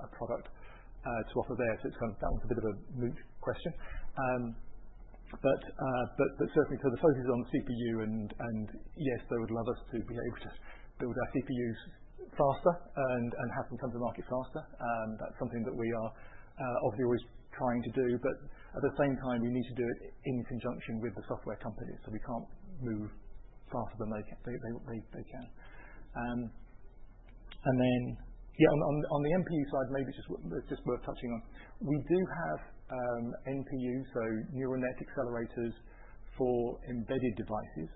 a product to offer there. That one is a bit of a moot question. Certainly, the focus is on the CPU. Yes, they would love us to be able to build our CPUs faster and have them come to market faster. That is something that we are obviously always trying to do. At the same time, we need to do it in conjunction with the software companies. We cannot move faster than they can. On the NPU side, maybe it is just worth touching on. We do have NPUs, so Neural Net accelerators for embedded devices.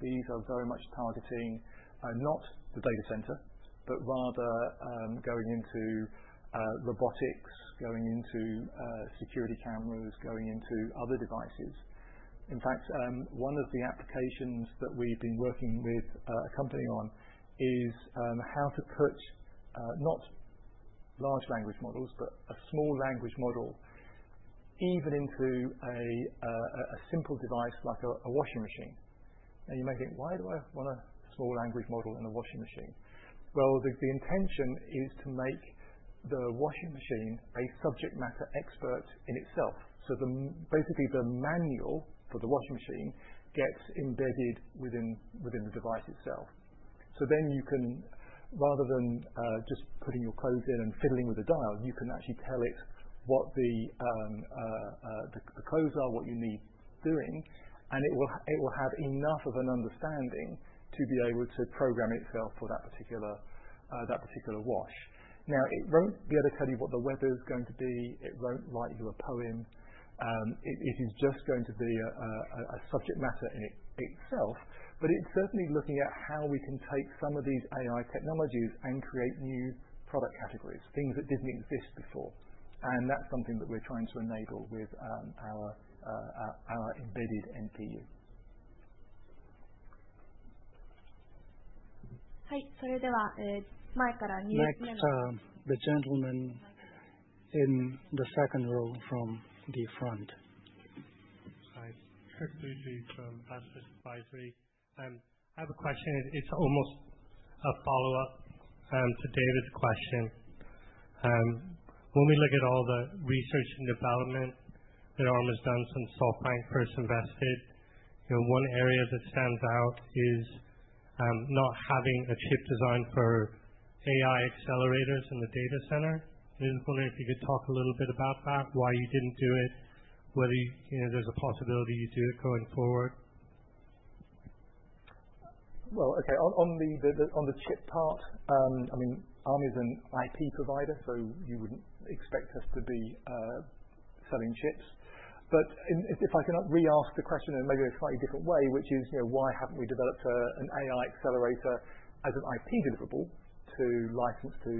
These are very much targeting not the data center, but rather going into robotics, going into security cameras, going into other devices. In fact, one of the applications that we've been working with a company on is how to put not large language models, but a small language model even into a simple device like a washing machine. Now, you may think, "Why do I want a small language model in a washing machine?" The intention is to make the washing machine a subject matter expert in itself. Basically, the manual for the washing machine gets embedded within the device itself. Then you can, rather than just putting your clothes in and fiddling with the dial, actually tell it what the clothes are, what you need doing. It will have enough of an understanding to be able to program itself for that particular wash. It will not be able to tell you what the weather is going to be. It will not write you a poem. It is just going to be a subject matter in itself. It is certainly looking at how we can take some of these AI technologies and create new product categories, things that did not exist before. That is something that we are trying to enable with our embedded NPU. The next gentleman in the second row from the front. Hi. Chris Dudley from BuzzFeed Advisory. I have a question. It's almost a follow-up to David's question. When we look at all the research and development that Arm has done since SoftBank first invested, one area that stands out is not having a chip designed for AI accelerators in the data center. I was wondering if you could talk a little bit about that, why you didn't do it, whether there's a possibility you do it going forward. Okay. On the chip part, I mean, Arm is an IP provider, so you wouldn't expect us to be selling chips. If I can re-ask the question in maybe a slightly different way, which is, why haven't we developed an AI accelerator as an IP deliverable to license to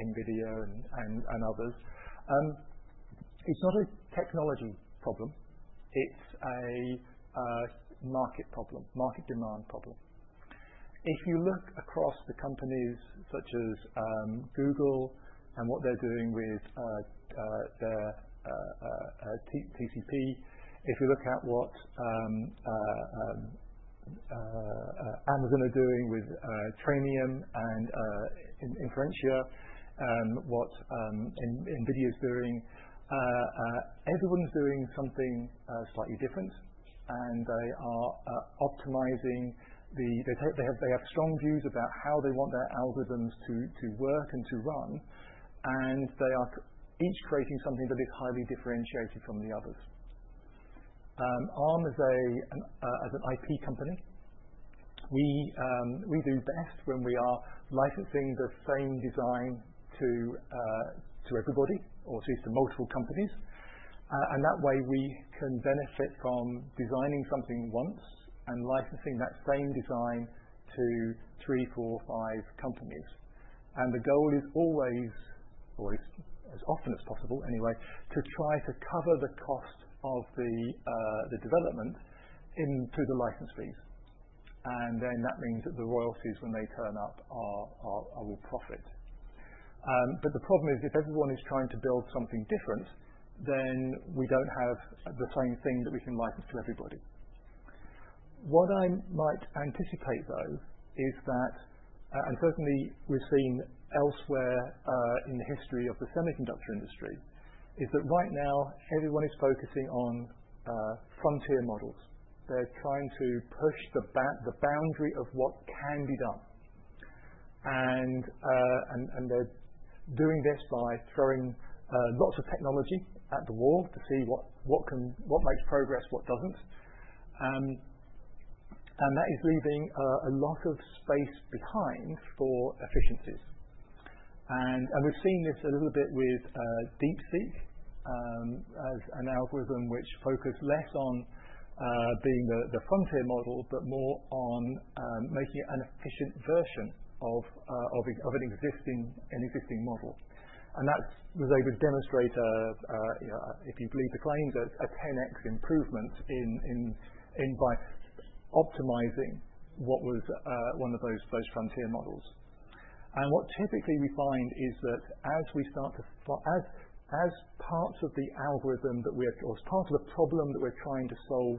NVIDIA and others? It's not a technology problem. It's a market problem, market demand problem. If you look across the companies such as Google and what they're doing with their TPU, if you look at what Amazon are doing with Trainium and Inferentia, what NVIDIA is doing, everyone's doing something slightly different. They are optimizing. They have strong views about how they want their algorithms to work and to run. They are each creating something that is highly differentiated from the others. Arm as an IP company, we do best when we are licensing the same design to everybody or at least to multiple companies. That way, we can benefit from designing something once and licensing that same design to three, four, five companies. The goal is always, or as often as possible anyway, to try to cover the cost of the development into the license fees. That means that the royalties, when they turn up, are a real profit. The problem is if everyone is trying to build something different, then we do not have the same thing that we can license to everybody. What I might anticipate, though, is that, and certainly, we have seen elsewhere in the history of the semiconductor industry, right now, everyone is focusing on frontier models. They are trying to push the boundary of what can be done. They're doing this by throwing lots of technology at the wall to see what makes progress, what does not. That is leaving a lot of space behind for efficiencies. We've seen this a little bit with DeepSeek as an algorithm which focused less on being the frontier model but more on making an efficient version of an existing model. That was able to demonstrate, if you believe the claims, a 10x improvement by optimizing what was one of those frontier models. What typically we find is that as we start to, as parts of the algorithm that we are, or as part of the problem that we're trying to solve,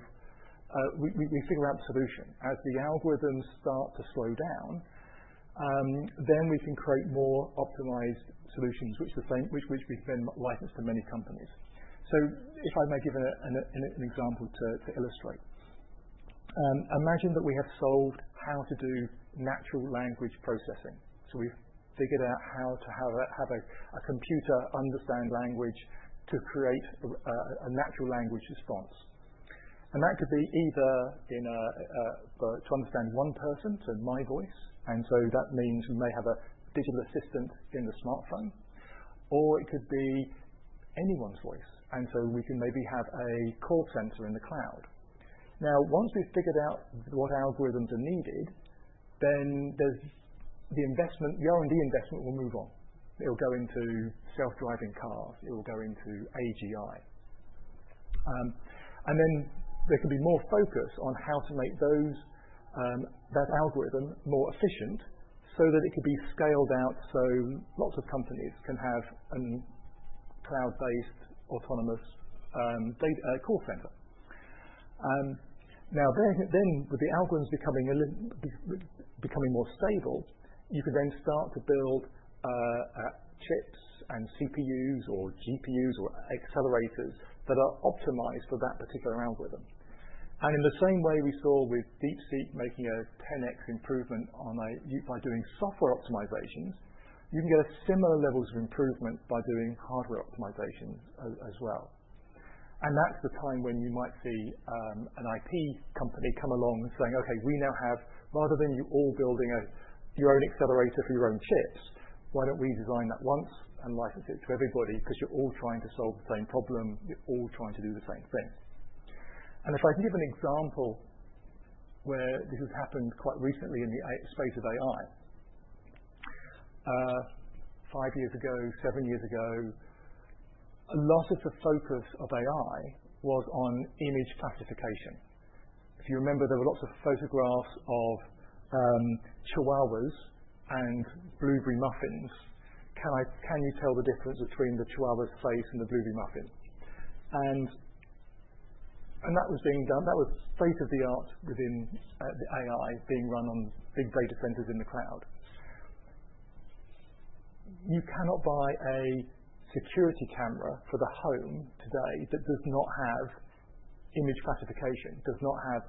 we figure out the solution. As the algorithms start to slow down, we can create more optimized solutions, which we can then license to many companies. If I may give an example to illustrate. Imagine that we have solved how to do natural language processing. We have figured out how to have a computer understand language to create a natural language response. That could be either to understand one person, so my voice. That means we may have a digital assistant in the smartphone. Or it could be anyone's voice. We can maybe have a call center in the cloud. Once we have figured out what algorithms are needed, the R&D investment will move on. It will go into self-driving cars. It will go into AGI. There can be more focus on how to make that algorithm more efficient so that it could be scaled out so lots of companies can have a cloud-based autonomous call center. Now, then with the algorithms becoming more stable, you can then start to build chips and CPUs or GPUs or accelerators that are optimized for that particular algorithm. In the same way we saw with DeepSeek making a 10x improvement by doing software optimizations, you can get similar levels of improvement by doing hardware optimizations as well. That is the time when you might see an IP company come along saying, "Okay, we now have, rather than you all building your own accelerator for your own chips, why don't we design that once and license it to everybody because you're all trying to solve the same problem. You're all trying to do the same thing. If I can give an example where this has happened quite recently in the space of AI, five years ago, seven years ago, a lot of the focus of AI was on image classification. If you remember, there were lots of photographs of chihuahuas and blueberry muffins. Can you tell the difference between the chihuahua's face and the blueberry muffin? That was being done. That was state of the art within the AI being run on big data centers in the cloud. You cannot buy a security camera for the home today that does not have image classification, does not have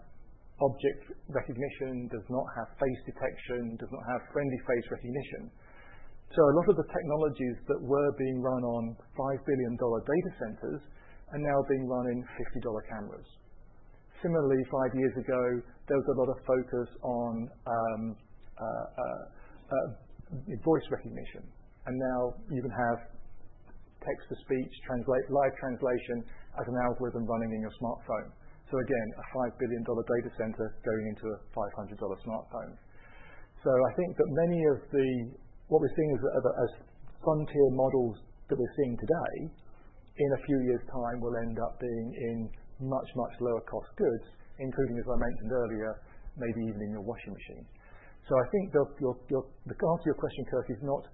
object recognition, does not have face detection, does not have friendly face recognition. A lot of the technologies that were being run on $5 billion data centers are now being run in $50 cameras. Similarly, five years ago, there was a lot of focus on voice recognition. Now you can have text-to-speech, live translation as an algorithm running in your smartphone. Again, a $5 billion data center going into a $500 smartphone. I think that many of what we're seeing as frontier models that we're seeing today, in a few years' time, will end up being in much, much lower-cost goods, including, as I mentioned earlier, maybe even in your washing machine. I think the answer to your question, Chris, is not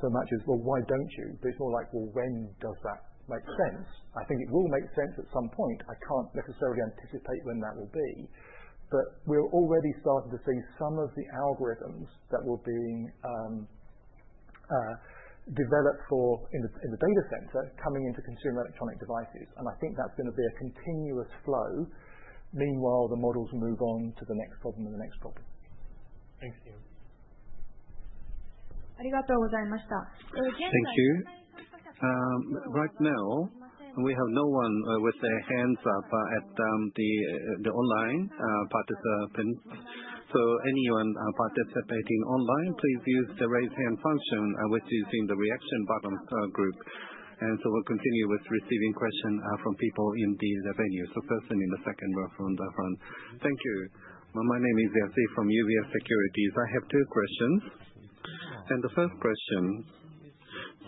so much as, "Well, why don't you?" It is more like, "Well, when does that make sense?" I think it will make sense at some point. I can't necessarily anticipate when that will be. We're already starting to see some of the algorithms that were being developed in the data center coming into consumer electronic devices. I think that's going to be a continuous flow. Meanwhile, the models move on to the next problem and the next problem. Thanks, Neil. Thank you. Right now, we have no one with their hands up at the online participants. Anyone participating online, please use the raise hand function using the reaction button group. We will continue with receiving questions from people in the venue. First, in the second row from the front. Thank you. My name is Yasir from UVS Securities. I have two questions. The first question,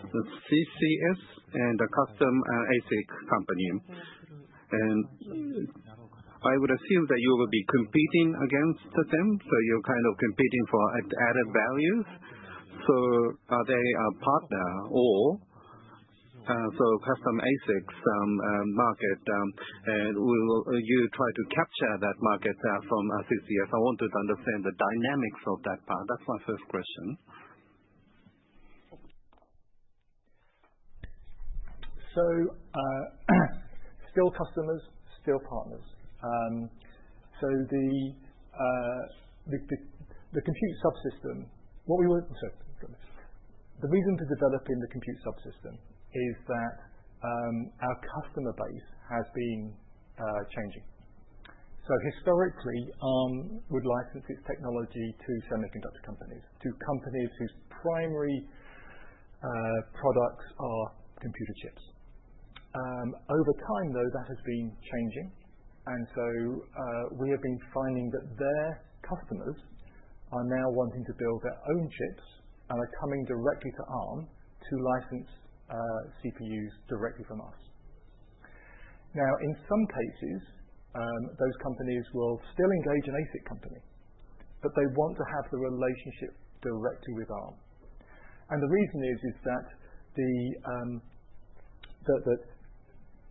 CCS and a custom ASIC company. I would assume that you will be competing against them. You are kind of competing for added values. Are they a partner or is it the custom ASICs market? Will you try to capture that market from CCS? I wanted to understand the dynamics of that part. That is my first question. Customers, still partners. The compute subsystem, what we were sorry. The reason for developing the compute subsystem is that our customer base has been changing. Historically, Arm would license its technology to semiconductor companies, to companies whose primary products are computer chips. Over time, though, that has been changing. We have been finding that their customers are now wanting to build their own chips and are coming directly to Arm to license CPUs directly from us. In some cases, those companies will still engage an ASIC company, but they want to have the relationship directly with Arm. The reason is that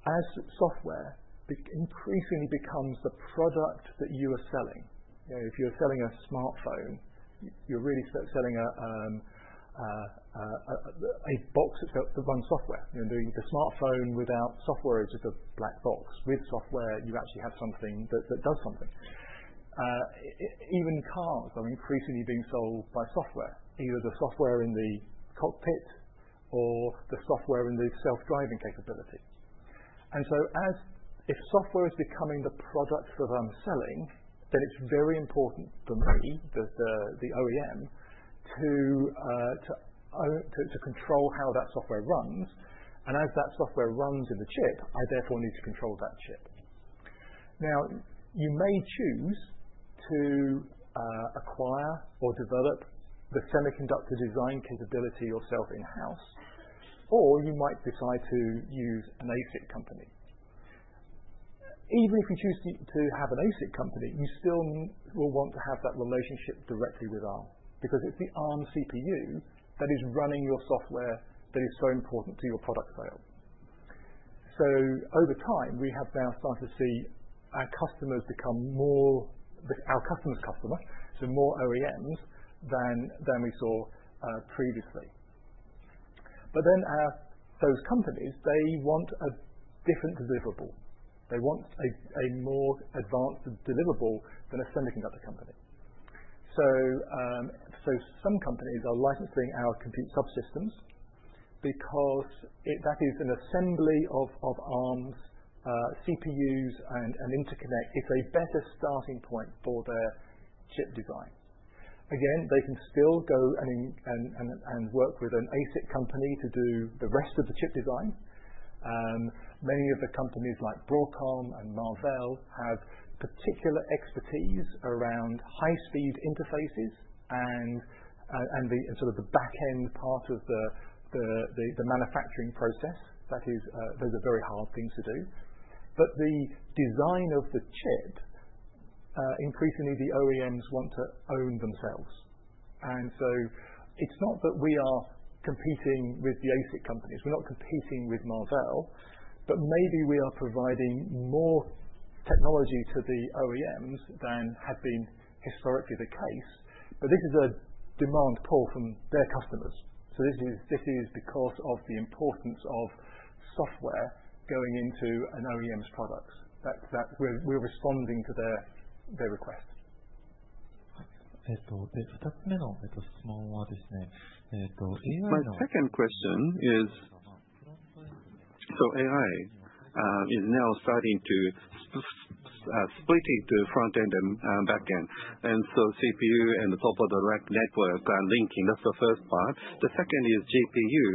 as software increasingly becomes the product that you are selling, if you're selling a smartphone, you're really selling a box that runs software. The smartphone without software is just a black box. With software, you actually have something that does something. Even cars are increasingly being sold by software, either the software in the cockpit or the software in the self-driving capability. If software is becoming the product that I'm selling, then it's very important for me, the OEM, to control how that software runs. As that software runs in the chip, I therefore need to control that chip. You may choose to acquire or develop the semiconductor design capability yourself in-house, or you might decide to use an ASIC company. Even if you choose to have an ASIC company, you still will want to have that relationship directly with Arm because it's the Arm CPU that is running your software that is so important to your product sale. Over time, we have now started to see our customers become more our customer's customer, so more OEMs than we saw previously. Those companies, they want a different deliverable. They want a more advanced deliverable than a semiconductor company. Some companies are licensing our compute subsystems because that is an assembly of Arm's CPUs and interconnect. It's a better starting point for their chip design. Again, they can still go and work with an ASIC company to do the rest of the chip design. Many of the companies like Broadcom and Marvell have particular expertise around high-speed interfaces and sort of the back-end part of the manufacturing process. That is a very hard thing to do. The design of the chip, increasingly, the OEMs want to own themselves. It's not that we are competing with the ASIC companies. We're not competing with Marvell, but maybe we are providing more technology to the OEMs than has been historically the case. This is a demand pull from their customers. This is because of the importance of software going into an OEM's products. We're responding to their request. えっと、二つ目の質問はですね、AIの。My second question is, AI is now starting to split into front-end and back-end. CPU and the software direct network linking, that's the first part. The second is GPU.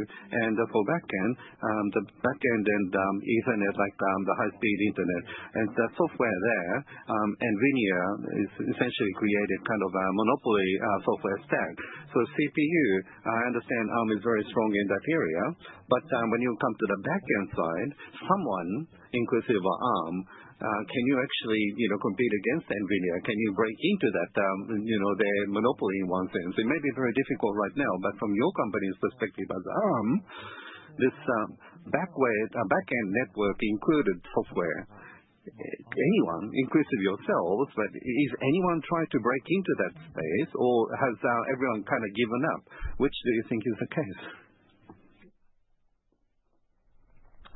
For back-end, the back-end and Ethernet, like the high-speed internet. The software there, NVIDIA has essentially created kind of a monopoly software stack. CPU, I understand Arm is very strong in that area. When you come to the back-end side, someone, inclusive of Arm, can you actually compete against NVIDIA? Can you break into their monopoly in one sense? It may be very difficult right now, but from your company's perspective as Arm, this back-end network included software, anyone, inclusive of yourselves, but if anyone tried to break into that space, or has everyone kind of given up? Which do you think is the case? Yes,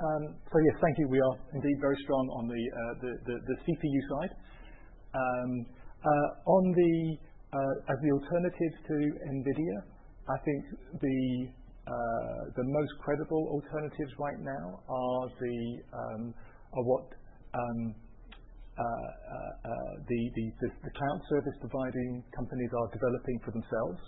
thank you. We are indeed very strong on the CPU side. As the alternative to NVIDIA, I think the most credible alternatives right now are what the cloud service providing companies are developing for themselves.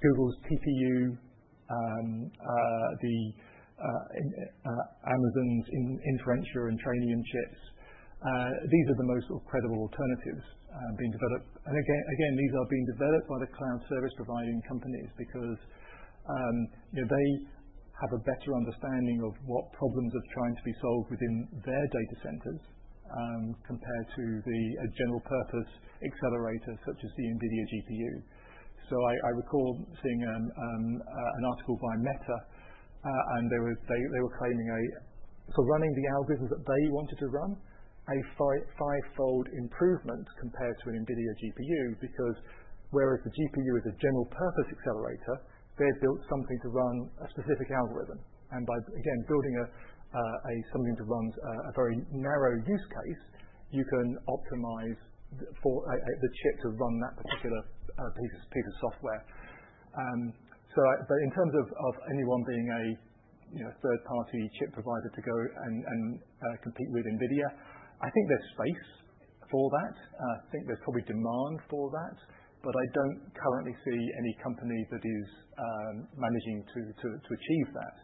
Google's TPU, Amazon's Inferentia and Trainium chips, these are the most credible alternatives being developed. Again, these are being developed by the cloud service providing companies because they have a better understanding of what problems are trying to be solved within their data centers compared to the general-purpose accelerators such as the NVIDIA GPU. I recall seeing an article by Meta, and they were claiming for running the algorithms that they wanted to run, a five-fold improvement compared to an NVIDIA GPU because whereas the GPU is a general-purpose accelerator, they've built something to run a specific algorithm. By, again, building something to run a very narrow use case, you can optimize the chip to run that particular piece of software. In terms of anyone being a third-party chip provider to go and compete with NVIDIA, I think there's space for that. I think there's probably demand for that, but I don't currently see any company that is managing to achieve that.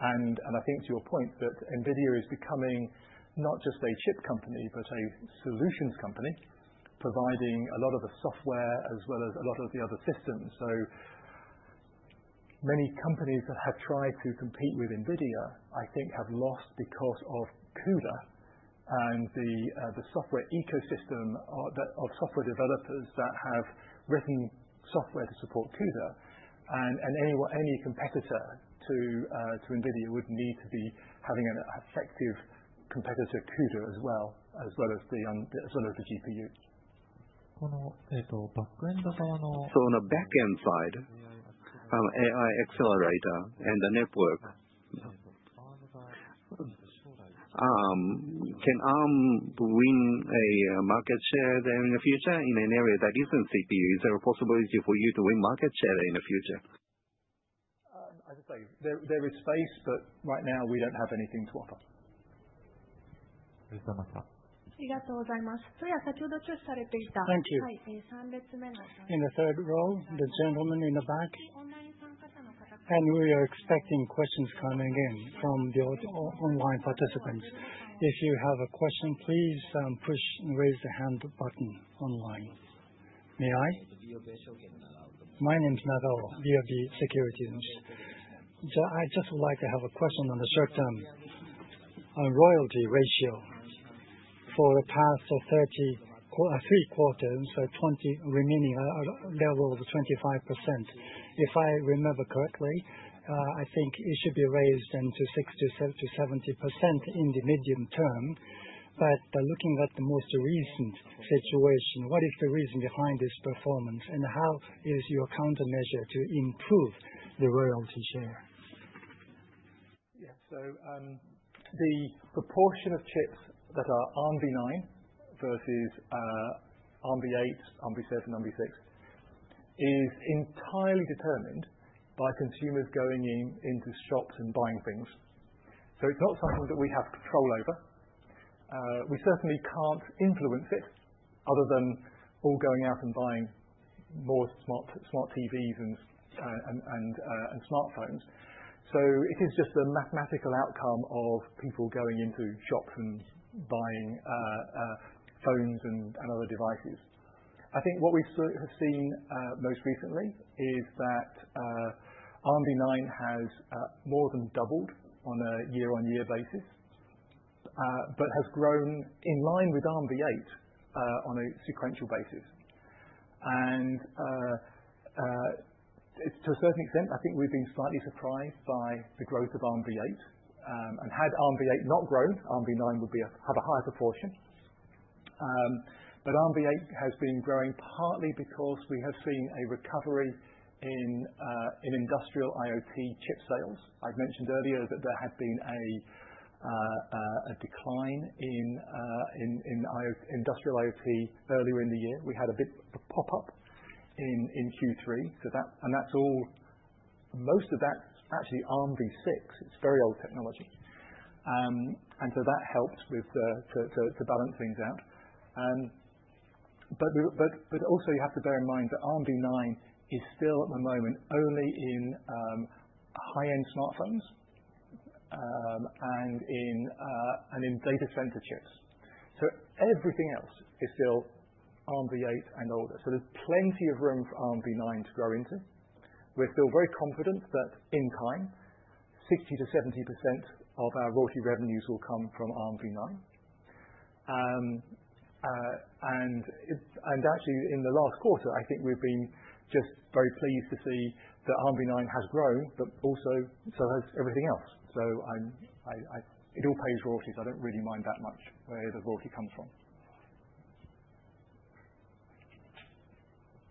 I think, to your point, that NVIDIA is becoming not just a chip company, but a solutions company providing a lot of the software as well as a lot of the other systems. Many companies that have tried to compete with NVIDIA, I think, have lost because of CUDA and the software ecosystem of software developers that have written software to support CUDA. Any competitor to NVIDIA would need to be having an effective competitor, CUDA, as well as the GPU. このバックエンド側の。On the back-end side, AI accelerator and the network, can Arm win a market share there in the future in an area that isn't CPU? Is there a possibility for you to win market share there in the future? I just say there is space, but right now, we don't have anything to offer. ありがとうございます。先ほど挙手されていた三列目の。In the third row, the gentleman in the back. We are expecting questions coming in from the online participants. If you have a question, please push and raise the hand button online. May I? My name is Nadao, DOB Securities. I just would like to have a question on the short-term royalty ratio for the past three quarters, so remaining level of 25%. If I remember correctly, I think it should be raised to 60-70% in the medium term. Looking at the most recent situation, what is the reason behind this performance? How is your countermeasure to improve the royalty share? Yeah. The proportion of chips that are Armv9 versus Armv8, Armv7, Armv6 is entirely determined by consumers going into shops and buying things. It is not something that we have control over. We certainly cannot influence it other than all going out and buying more smart TVs and smartphones. It is just a mathematical outcome of people going into shops and buying phones and other devices. I think what we have seen most recently is that Armv9 has more than doubled on a year-on-year basis, but has grown in line with Armv8 on a sequential basis. To a certain extent, I think we have been slightly surprised by the growth of Armv8. Had Armv8 not grown, Armv9 would have a higher proportion. Armv8 has been growing partly because we have seen a recovery in industrial IoT chip sales. I mentioned earlier that there had been a decline in industrial IoT earlier in the year. We had a bit of a pop-up in Q3. Most of that is actually Armv6. It is very old technology. That helped to balance things out. You have to bear in mind that Armv9 is still at the moment only in high-end smartphones and in data center chips. Everything else is still Armv8 and older. There is plenty of room for Armv9 to grow into. We are still very confident that in time, 60-70% of our royalty revenues will come from Armv9. Actually, in the last quarter, I think we've been just very pleased to see that Armv9 has grown, but also so has everything else. It all pays royalties. I don't really mind that much where the royalty comes from.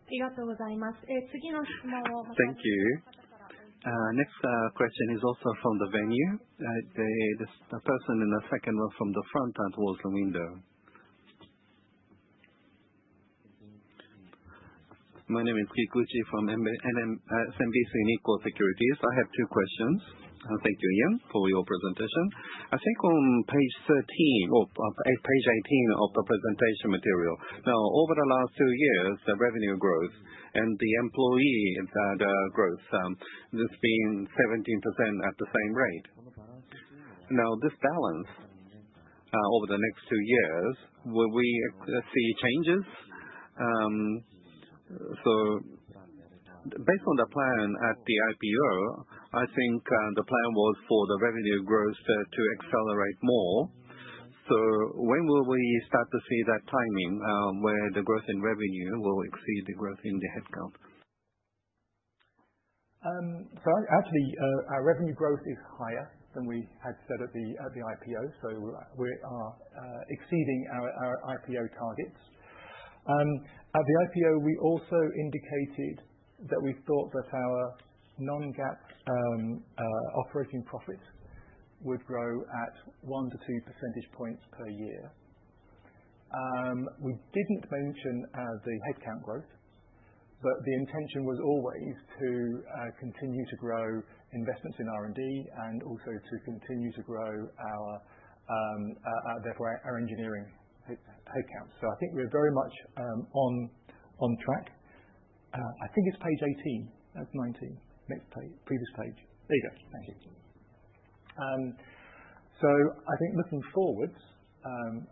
ありがとうございます。次の質問を。Thank you. Next question is also from the venue. The person in the second row from the front and towards the window. My name is Keith Gucci from SMBC Nikko Securities Securities. I have two questions. Thank you, Ian, for your presentation. I think on page 13 or page 18 of the presentation material, now, over the last two years, the revenue growth and the employee growth, there's been 17% at the same rate. Now, this balance over the next two years, will we see changes? Based on the plan at the IPO, I think the plan was for the revenue growth to accelerate more. When will we start to see that timing where the growth in revenue will exceed the growth in the headcount? Actually, our revenue growth is higher than we had said at the IPO. We are exceeding our IPO targets. At the IPO, we also indicated that we thought that our non-GAAP operating profits would grow at one to two percentage points per year. We did not mention the headcount growth, but the intention was always to continue to grow investments in R&D and also to continue to grow, therefore, our engineering headcounts. I think we are very much on track. I think it is page 18. That is 19. Next previous page. There you go. Thank you. I think looking forwards,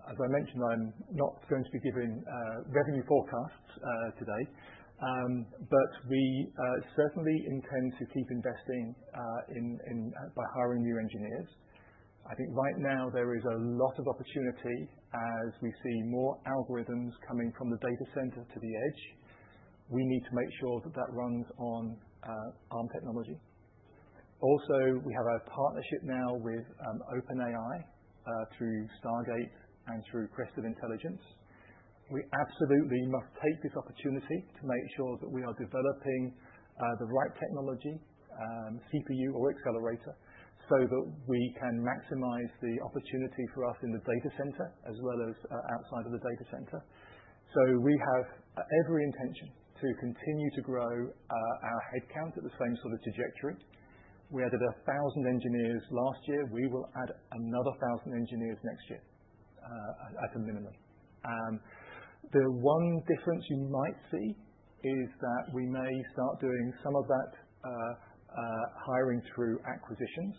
as I mentioned, I am not going to be giving revenue forecasts today, but we certainly intend to keep investing by hiring new engineers. I think right now, there is a lot of opportunity as we see more algorithms coming from the data center to the edge. We need to make sure that that runs on Arm technology. Also, we have a partnership now with OpenAI through Stargate and through Cristal intelligence. We absolutely must take this opportunity to make sure that we are developing the right technology, CPU or accelerator, so that we can maximize the opportunity for us in the data center as well as outside of the data center. We have every intention to continue to grow our headcount at the same sort of trajectory. We added 1,000 engineers last year. We will add another 1,000 engineers next year at a minimum. The one difference you might see is that we may start doing some of that hiring through acquisitions.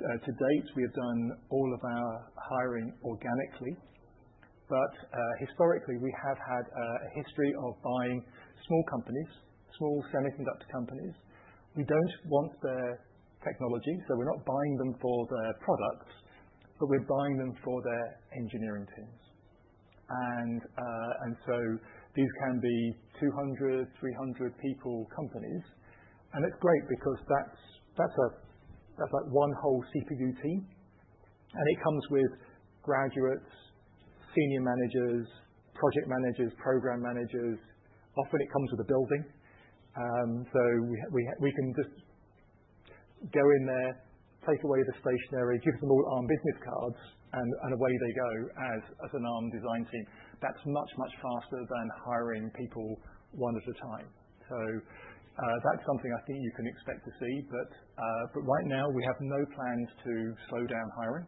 To date, we have done all of our hiring organically. Historically, we have had a history of buying small companies, small semiconductor companies. We don't want their technology, so we're not buying them for their products, but we're buying them for their engineering teams. These can be 200, 300 people, companies. That's great because that's like one whole CPU team. It comes with graduates, senior managers, project managers, program managers. Often, it comes with a building. We can just go in there, take away the stationery, give them all Arm business cards, and away they go as an Arm design team. That's much, much faster than hiring people one at a time. That's something I think you can expect to see. Right now, we have no plans to slow down hiring.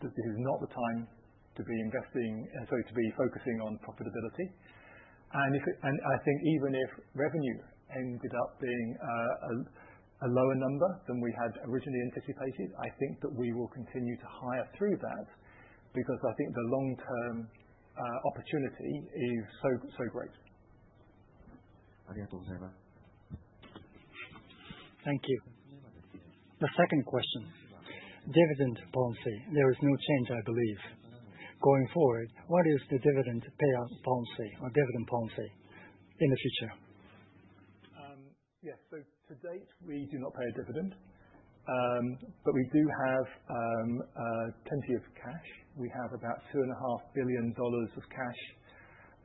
This is not the time to be investing, sorry, to be focusing on profitability. I think even if revenue ended up being a lower number than we had originally anticipated, I think that we will continue to hire through that because I think the long-term opportunity is so great. Thank you. The second question, dividend policy, there is no change, I believe, going forward. What is the dividend payout policy or dividend policy in the future? Yes. To date, we do not pay a dividend, but we do have plenty of cash. We have about $2.5 billion of cash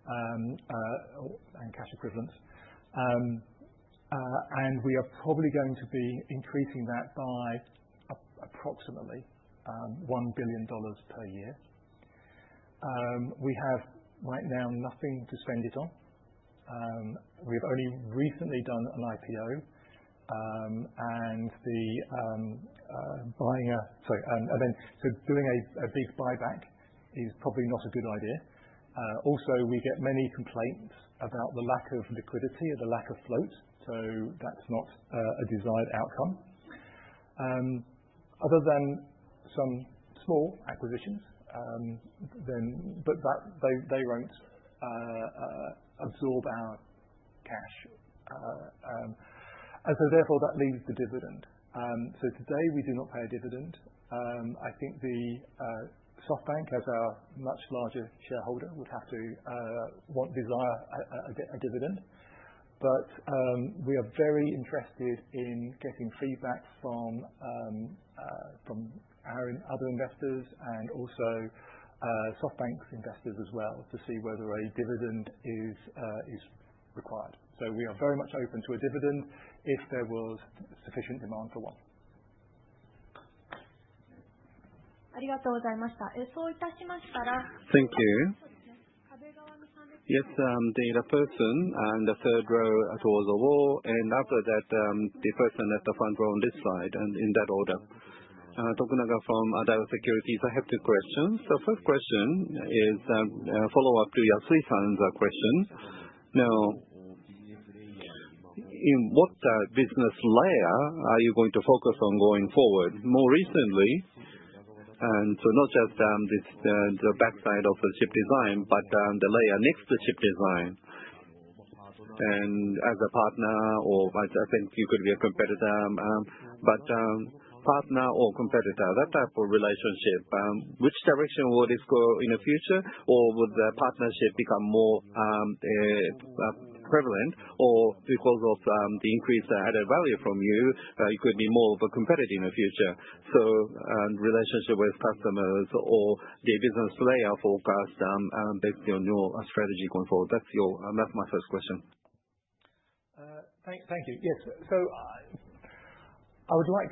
and cash equivalents. We are probably going to be increasing that by approximately $1 billion per year. We have right now nothing to spend it on. We have only recently done an IPO. Doing a big buyback is probably not a good idea. Also, we get many complaints about the lack of liquidity or the lack of float. That is not a desired outcome. Other than some small acquisitions, but they will not absorb our cash. Therefore, that leaves the dividend. Today, we do not pay a dividend. I think SoftBank, as our much larger shareholder, would have to desire a dividend. We are very interested in getting feedback from our other investors and also SoftBank's investors as well to see whether a dividend is required. We are very much open to a dividend if there was sufficient demand for one. ありがとうございました。そういたしましたら。Thank you. Yes. The person in the third row towards the wall. After that, the person at the front row on this side, in that order. Tokunaga from Adaro Securities. I have two questions. First question is a follow-up to Yasuhi-san's question. Now, in what business layer are you going to focus on going forward, more recently? Not just the backside of the chip design, but the layer next to chip design. As a partner or I think you could be a competitor. Partner or competitor, that type of relationship, which direction will this go in the future? Would the partnership become more prevalent? Because of the increased added value from you, you could be more of a competitor in the future? Relationship with customers or the business layer forecast based on your strategy going forward? That's my first question. Thank you. Yes. I would like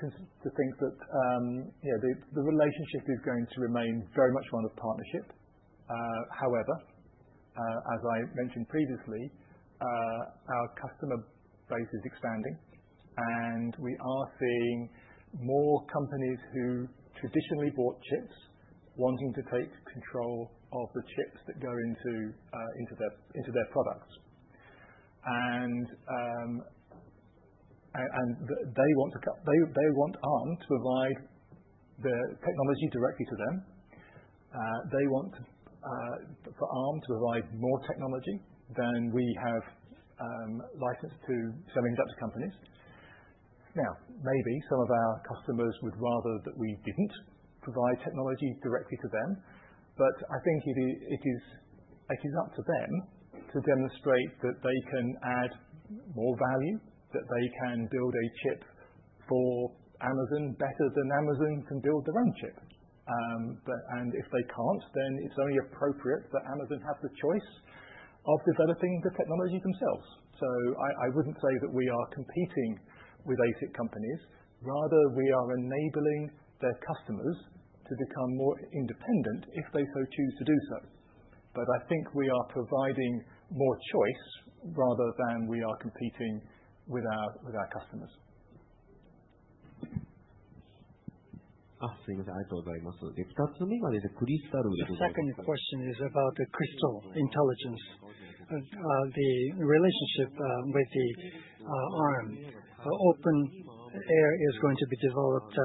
to think that the relationship is going to remain very much one of partnership. However, as I mentioned previously, our customer base is expanding. We are seeing more companies who traditionally bought chips wanting to take control of the chips that go into their products. They want Arm to provide the technology directly to them. They want for Arm to provide more technology than we have licensed to semiconductor companies. Now, maybe some of our customers would rather that we did not provide technology directly to them. I think it is up to them to demonstrate that they can add more value, that they can build a chip for Amazon better than Amazon can build their own chip. If they cannot, then it is only appropriate that Amazon have the choice of developing the technology themselves. I would not say that we are competing with ASIC companies. Rather, we are enabling their customers to become more independent if they so choose to do so. I think we are providing more choice rather than we are competing with our customers. Asking that I thought very much. The second question is about the Cristal intelligence, the relationship with Arm. OpenAI is going to be developed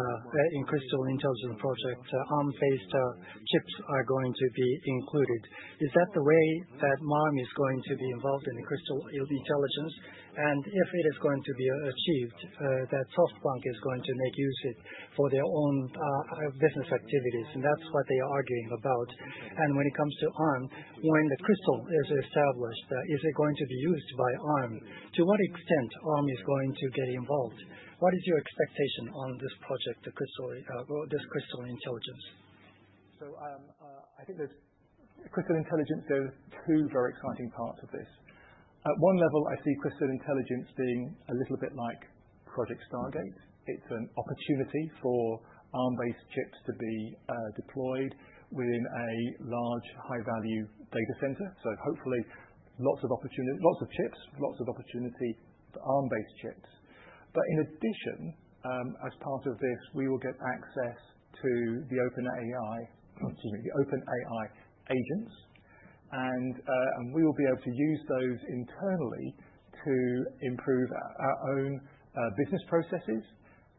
in Cristal intelligence projects. Arm-based chips are going to be included. Is that the way that Arm is going to be involved in the Cristal intelligence? If it is going to be achieved, that SoftBank is going to make use of it for their own business activities. That is what they are arguing about. When it comes to Arm, when the Crystal is established, is it going to be used by Arm? To what extent Arm is going to get involved? What is your expectation on this project, the Cristal intelligence? I think there's Cristal intelligence. There are two very exciting parts of this. At one level, I see Cristal intelligence being a little bit like Project Stargate. It's an opportunity for Arm-based chips to be deployed within a large, high-value data center. Hopefully, lots of chips, lots of opportunity for Arm-based chips. In addition, as part of this, we will get access to the OpenAI agents. We will be able to use those internally to improve our own business processes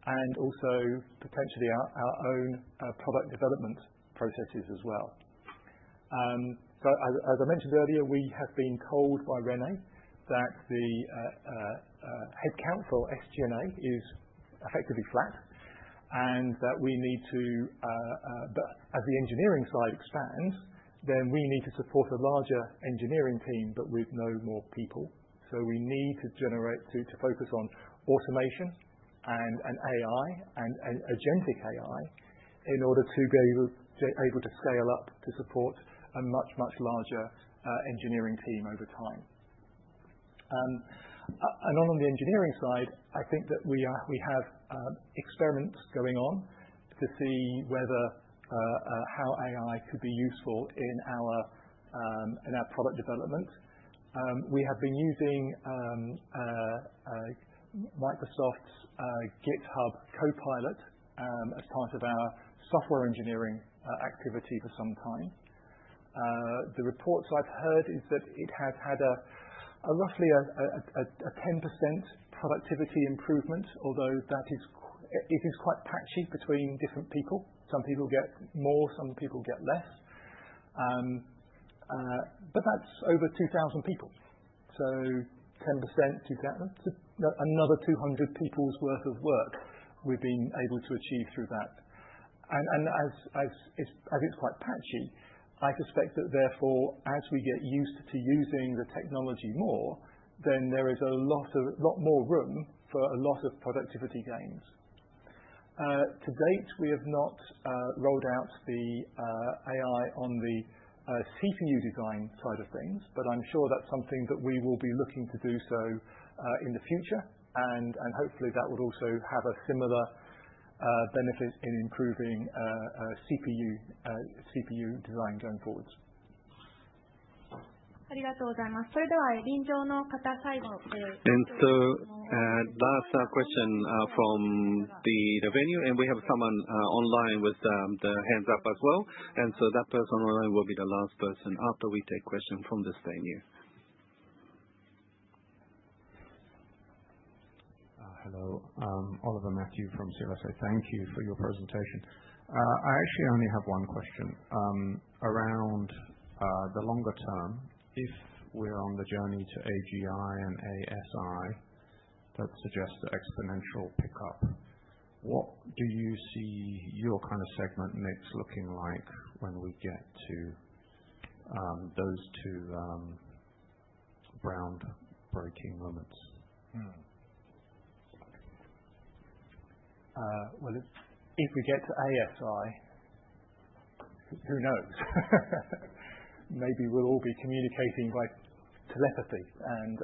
and also potentially our own product development processes as well. As I mentioned earlier, we have been told by René that the headcount for SG&A is effectively flat and that we need to, as the engineering side expands, support a larger engineering team, but with no more people. We need to focus on automation and AI and agentic AI in order to be able to scale up to support a much, much larger engineering team over time. On the engineering side, I think that we have experiments going on to see how AI could be useful in our product development. We have been using Microsoft's GitHub Copilot as part of our software engineering activity for some time. The reports I've heard is that it has had roughly a 10% productivity improvement, although it is quite patchy between different people. Some people get more. Some people get less. That is over 2,000 people. 10%, another 200 people's worth of work we've been able to achieve through that. As it's quite patchy, I suspect that therefore, as we get used to using the technology more, there is a lot more room for a lot of productivity gains. To date, we have not rolled out the AI on the CPU design side of things, but I'm sure that's something that we will be looking to do so in the future. Hopefully, that would also have a similar benefit in improving CPU design going forwards. ありがとうございます。それでは、臨場の方、最後。Last question from the venue. We have someone online with the hand up as well. That person online will be the last person after we take questions from the venue. Hello. Oliver Matthew from CLSA. Thank you for your presentation. I actually only have one question around the longer term. If we're on the journey to AGI and ASI that suggests exponential pickup, what do you see your kind of segment mix looking like when we get to those two groundbreaking moments? If we get to ASI, who knows? Maybe we'll all be communicating by telepathy and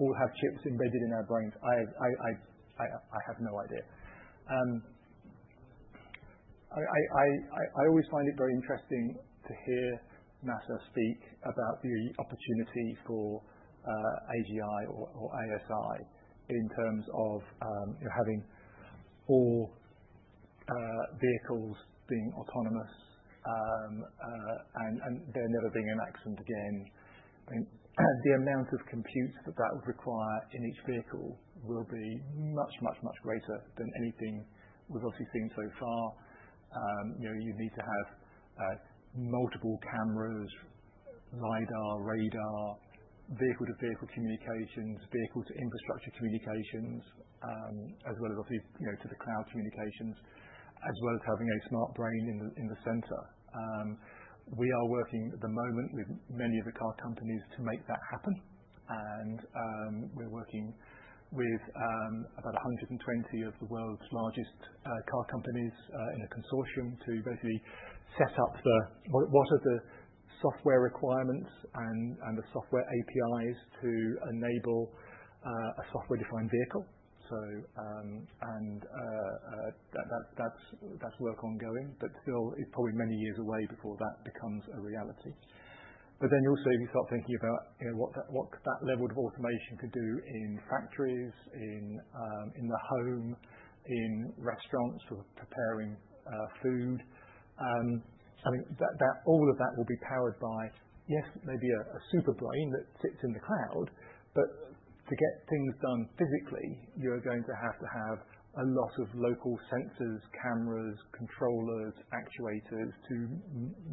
all have chips embedded in our brains. I have no idea. I always find it very interesting to hear NASA speak about the opportunity for AGI or ASI in terms of having all vehicles being autonomous and there never being an accident again. The amount of compute that that would require in each vehicle will be much, much, much greater than anything we've obviously seen so far. You need to have multiple cameras, lidar, radar, vehicle-to-vehicle communications, vehicle-to-infrastructure communications, as well as obviously to the cloud communications, as well as having a smart brain in the center. We are working at the moment with many of the car companies to make that happen. We are working with about 120 of the world's largest car companies in a consortium to basically set up what are the software requirements and the software APIs to enable a software-defined vehicle. That work is ongoing, but still, it is probably many years away before that becomes a reality. If you start thinking about what that level of automation could do in factories, in the home, in restaurants for preparing food, I mean, all of that will be powered by, yes, maybe a super brain that sits in the cloud. To get things done physically, you are going to have to have a lot of local sensors, cameras, controllers, actuators to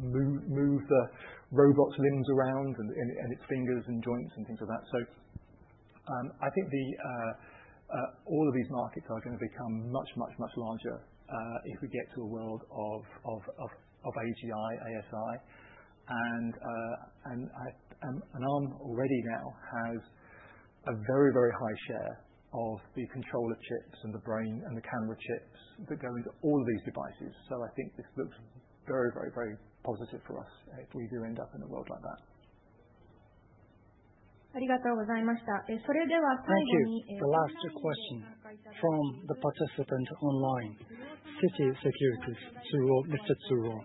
move the robot's limbs around and its fingers and joints and things like that. I think all of these markets are going to become much, much, much larger if we get to a world of AGI, ASI. Arm already now has a very, very high share of the controller chips and the brain and the camera chips that go into all of these devices. I think this looks very, very, very positive for us if we do end up in a world like that. ありがとうございました。それでは、最後に。Thank you. The last question from the participant online, Citi Securities, Mr. Tsuro.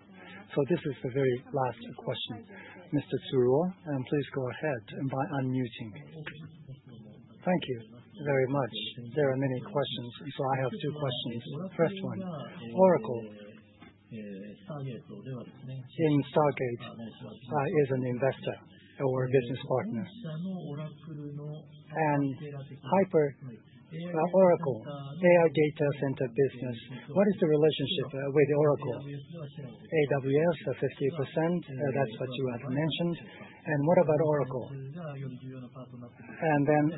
This is the very last question. Mr. Tsuro, please go ahead by unmuting. Thank you very much. There are many questions. I have two questions. First one, Oracle. In Stargate, is Oracle an investor or a business partner? And Oracle AI data center business, what is the relationship with Oracle? AWS, 50%, that's what you had mentioned. What about Oracle?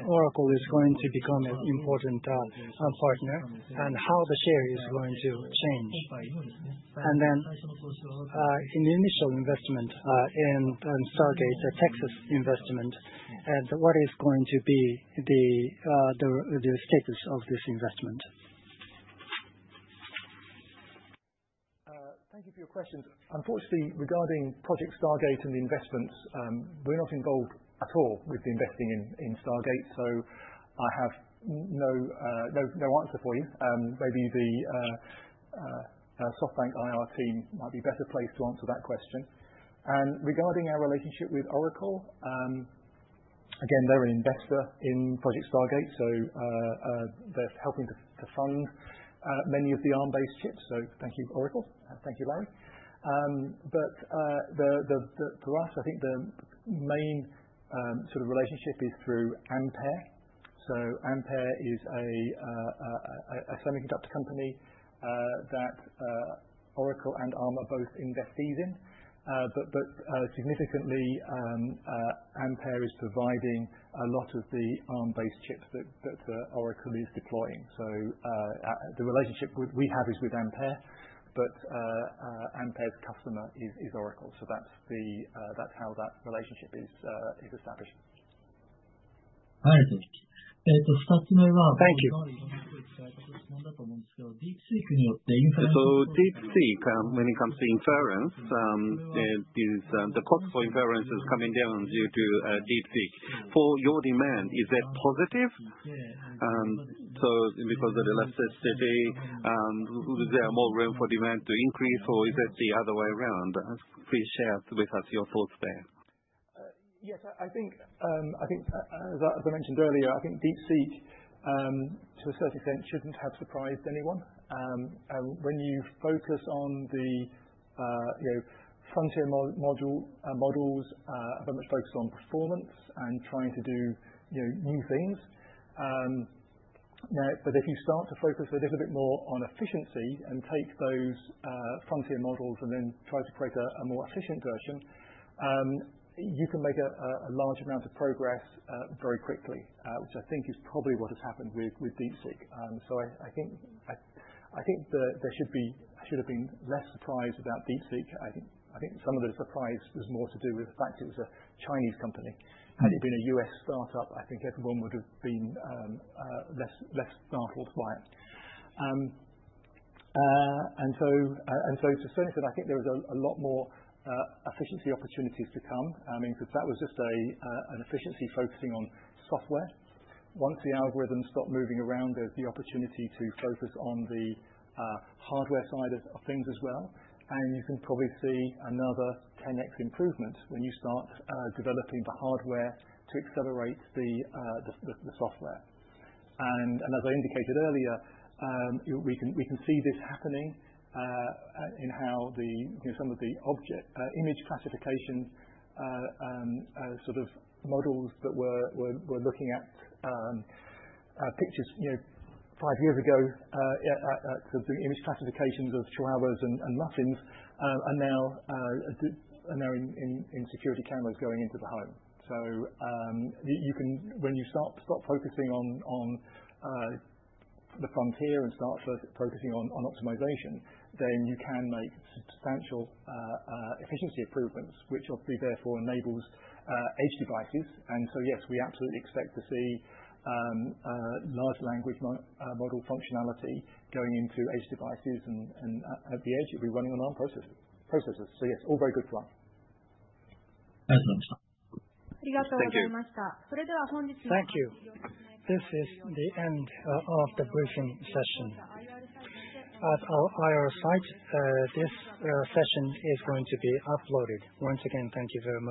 Oracle is going to become an important partner. How is the share going to change? Initial investment in Stargate, the Texas investment, what is going to be the status of this investment? Thank you for your questions. Unfortunately, regarding Project Stargate and the investments, we're not involved at all with investing in Stargate. I have no answer for you. Maybe the SoftBank IR team might be a better place to answer that question. Regarding our relationship with Oracle, again, they're an investor in Project Stargate. They're helping to fund many of the Arm-based chips. Thank you, Oracle. Thank you, Larry. For us, I think the main sort of relationship is through Ampere. Ampere is a semiconductor company that Oracle and Arm are both investees in. Significantly, Ampere is providing a lot of the Arm-based chips that Oracle is deploying. The relationship we have is with Ampere. Ampere's customer is Oracle. That's how that relationship is established. はい。えっと、二つ目は。ですけど、DeepSeekによってインファレンスが。DeepSeek, when it comes to inference, the cost for inference is coming down due to DeepSeek. For your demand, is that positive? Because of the elasticity, is there more room for demand to increase, or is that the other way around? Please share with us your thoughts there. Yes. I think, as I mentioned earlier, I think DeepSeek, to a certain extent, shouldn't have surprised anyone. When you focus on the frontier modules, very much focused on performance and trying to do new things. If you start to focus a little bit more on efficiency and take those frontier models and then try to create a more efficient version, you can make a large amount of progress very quickly, which I think is probably what has happened with DeepSeek. I think there should have been less surprise about DeepSeek. I think some of the surprise was more to do with the fact it was a Chinese company. Had it been a US startup, I think everyone would have been less startled by it. To a certain extent, I think there was a lot more efficiency opportunities to come. I mean, because that was just an efficiency focusing on software. Once the algorithms start moving around, there's the opportunity to focus on the hardware side of things as well. You can probably see another 10x improvement when you start developing the hardware to accelerate the software. As I indicated earlier, we can see this happening in how some of the image classification sort of models that we're looking at, pictures five years ago, sort of the image classifications of chihuahuas and muffins are now in security cameras going into the home. When you start focusing on the frontier and start focusing on optimization, you can make substantial efficiency improvements, which obviously therefore enables edge devices. Yes, we absolutely expect to see large language model functionality going into edge devices. At the edge, it'll be running on Arm processors. Yes, all very good for us. Excellent. ありがとうございました。それでは、本日は。Thank you. This is the end of the briefing session. At our site, this session is going to be uploaded. Once again, thank you very much.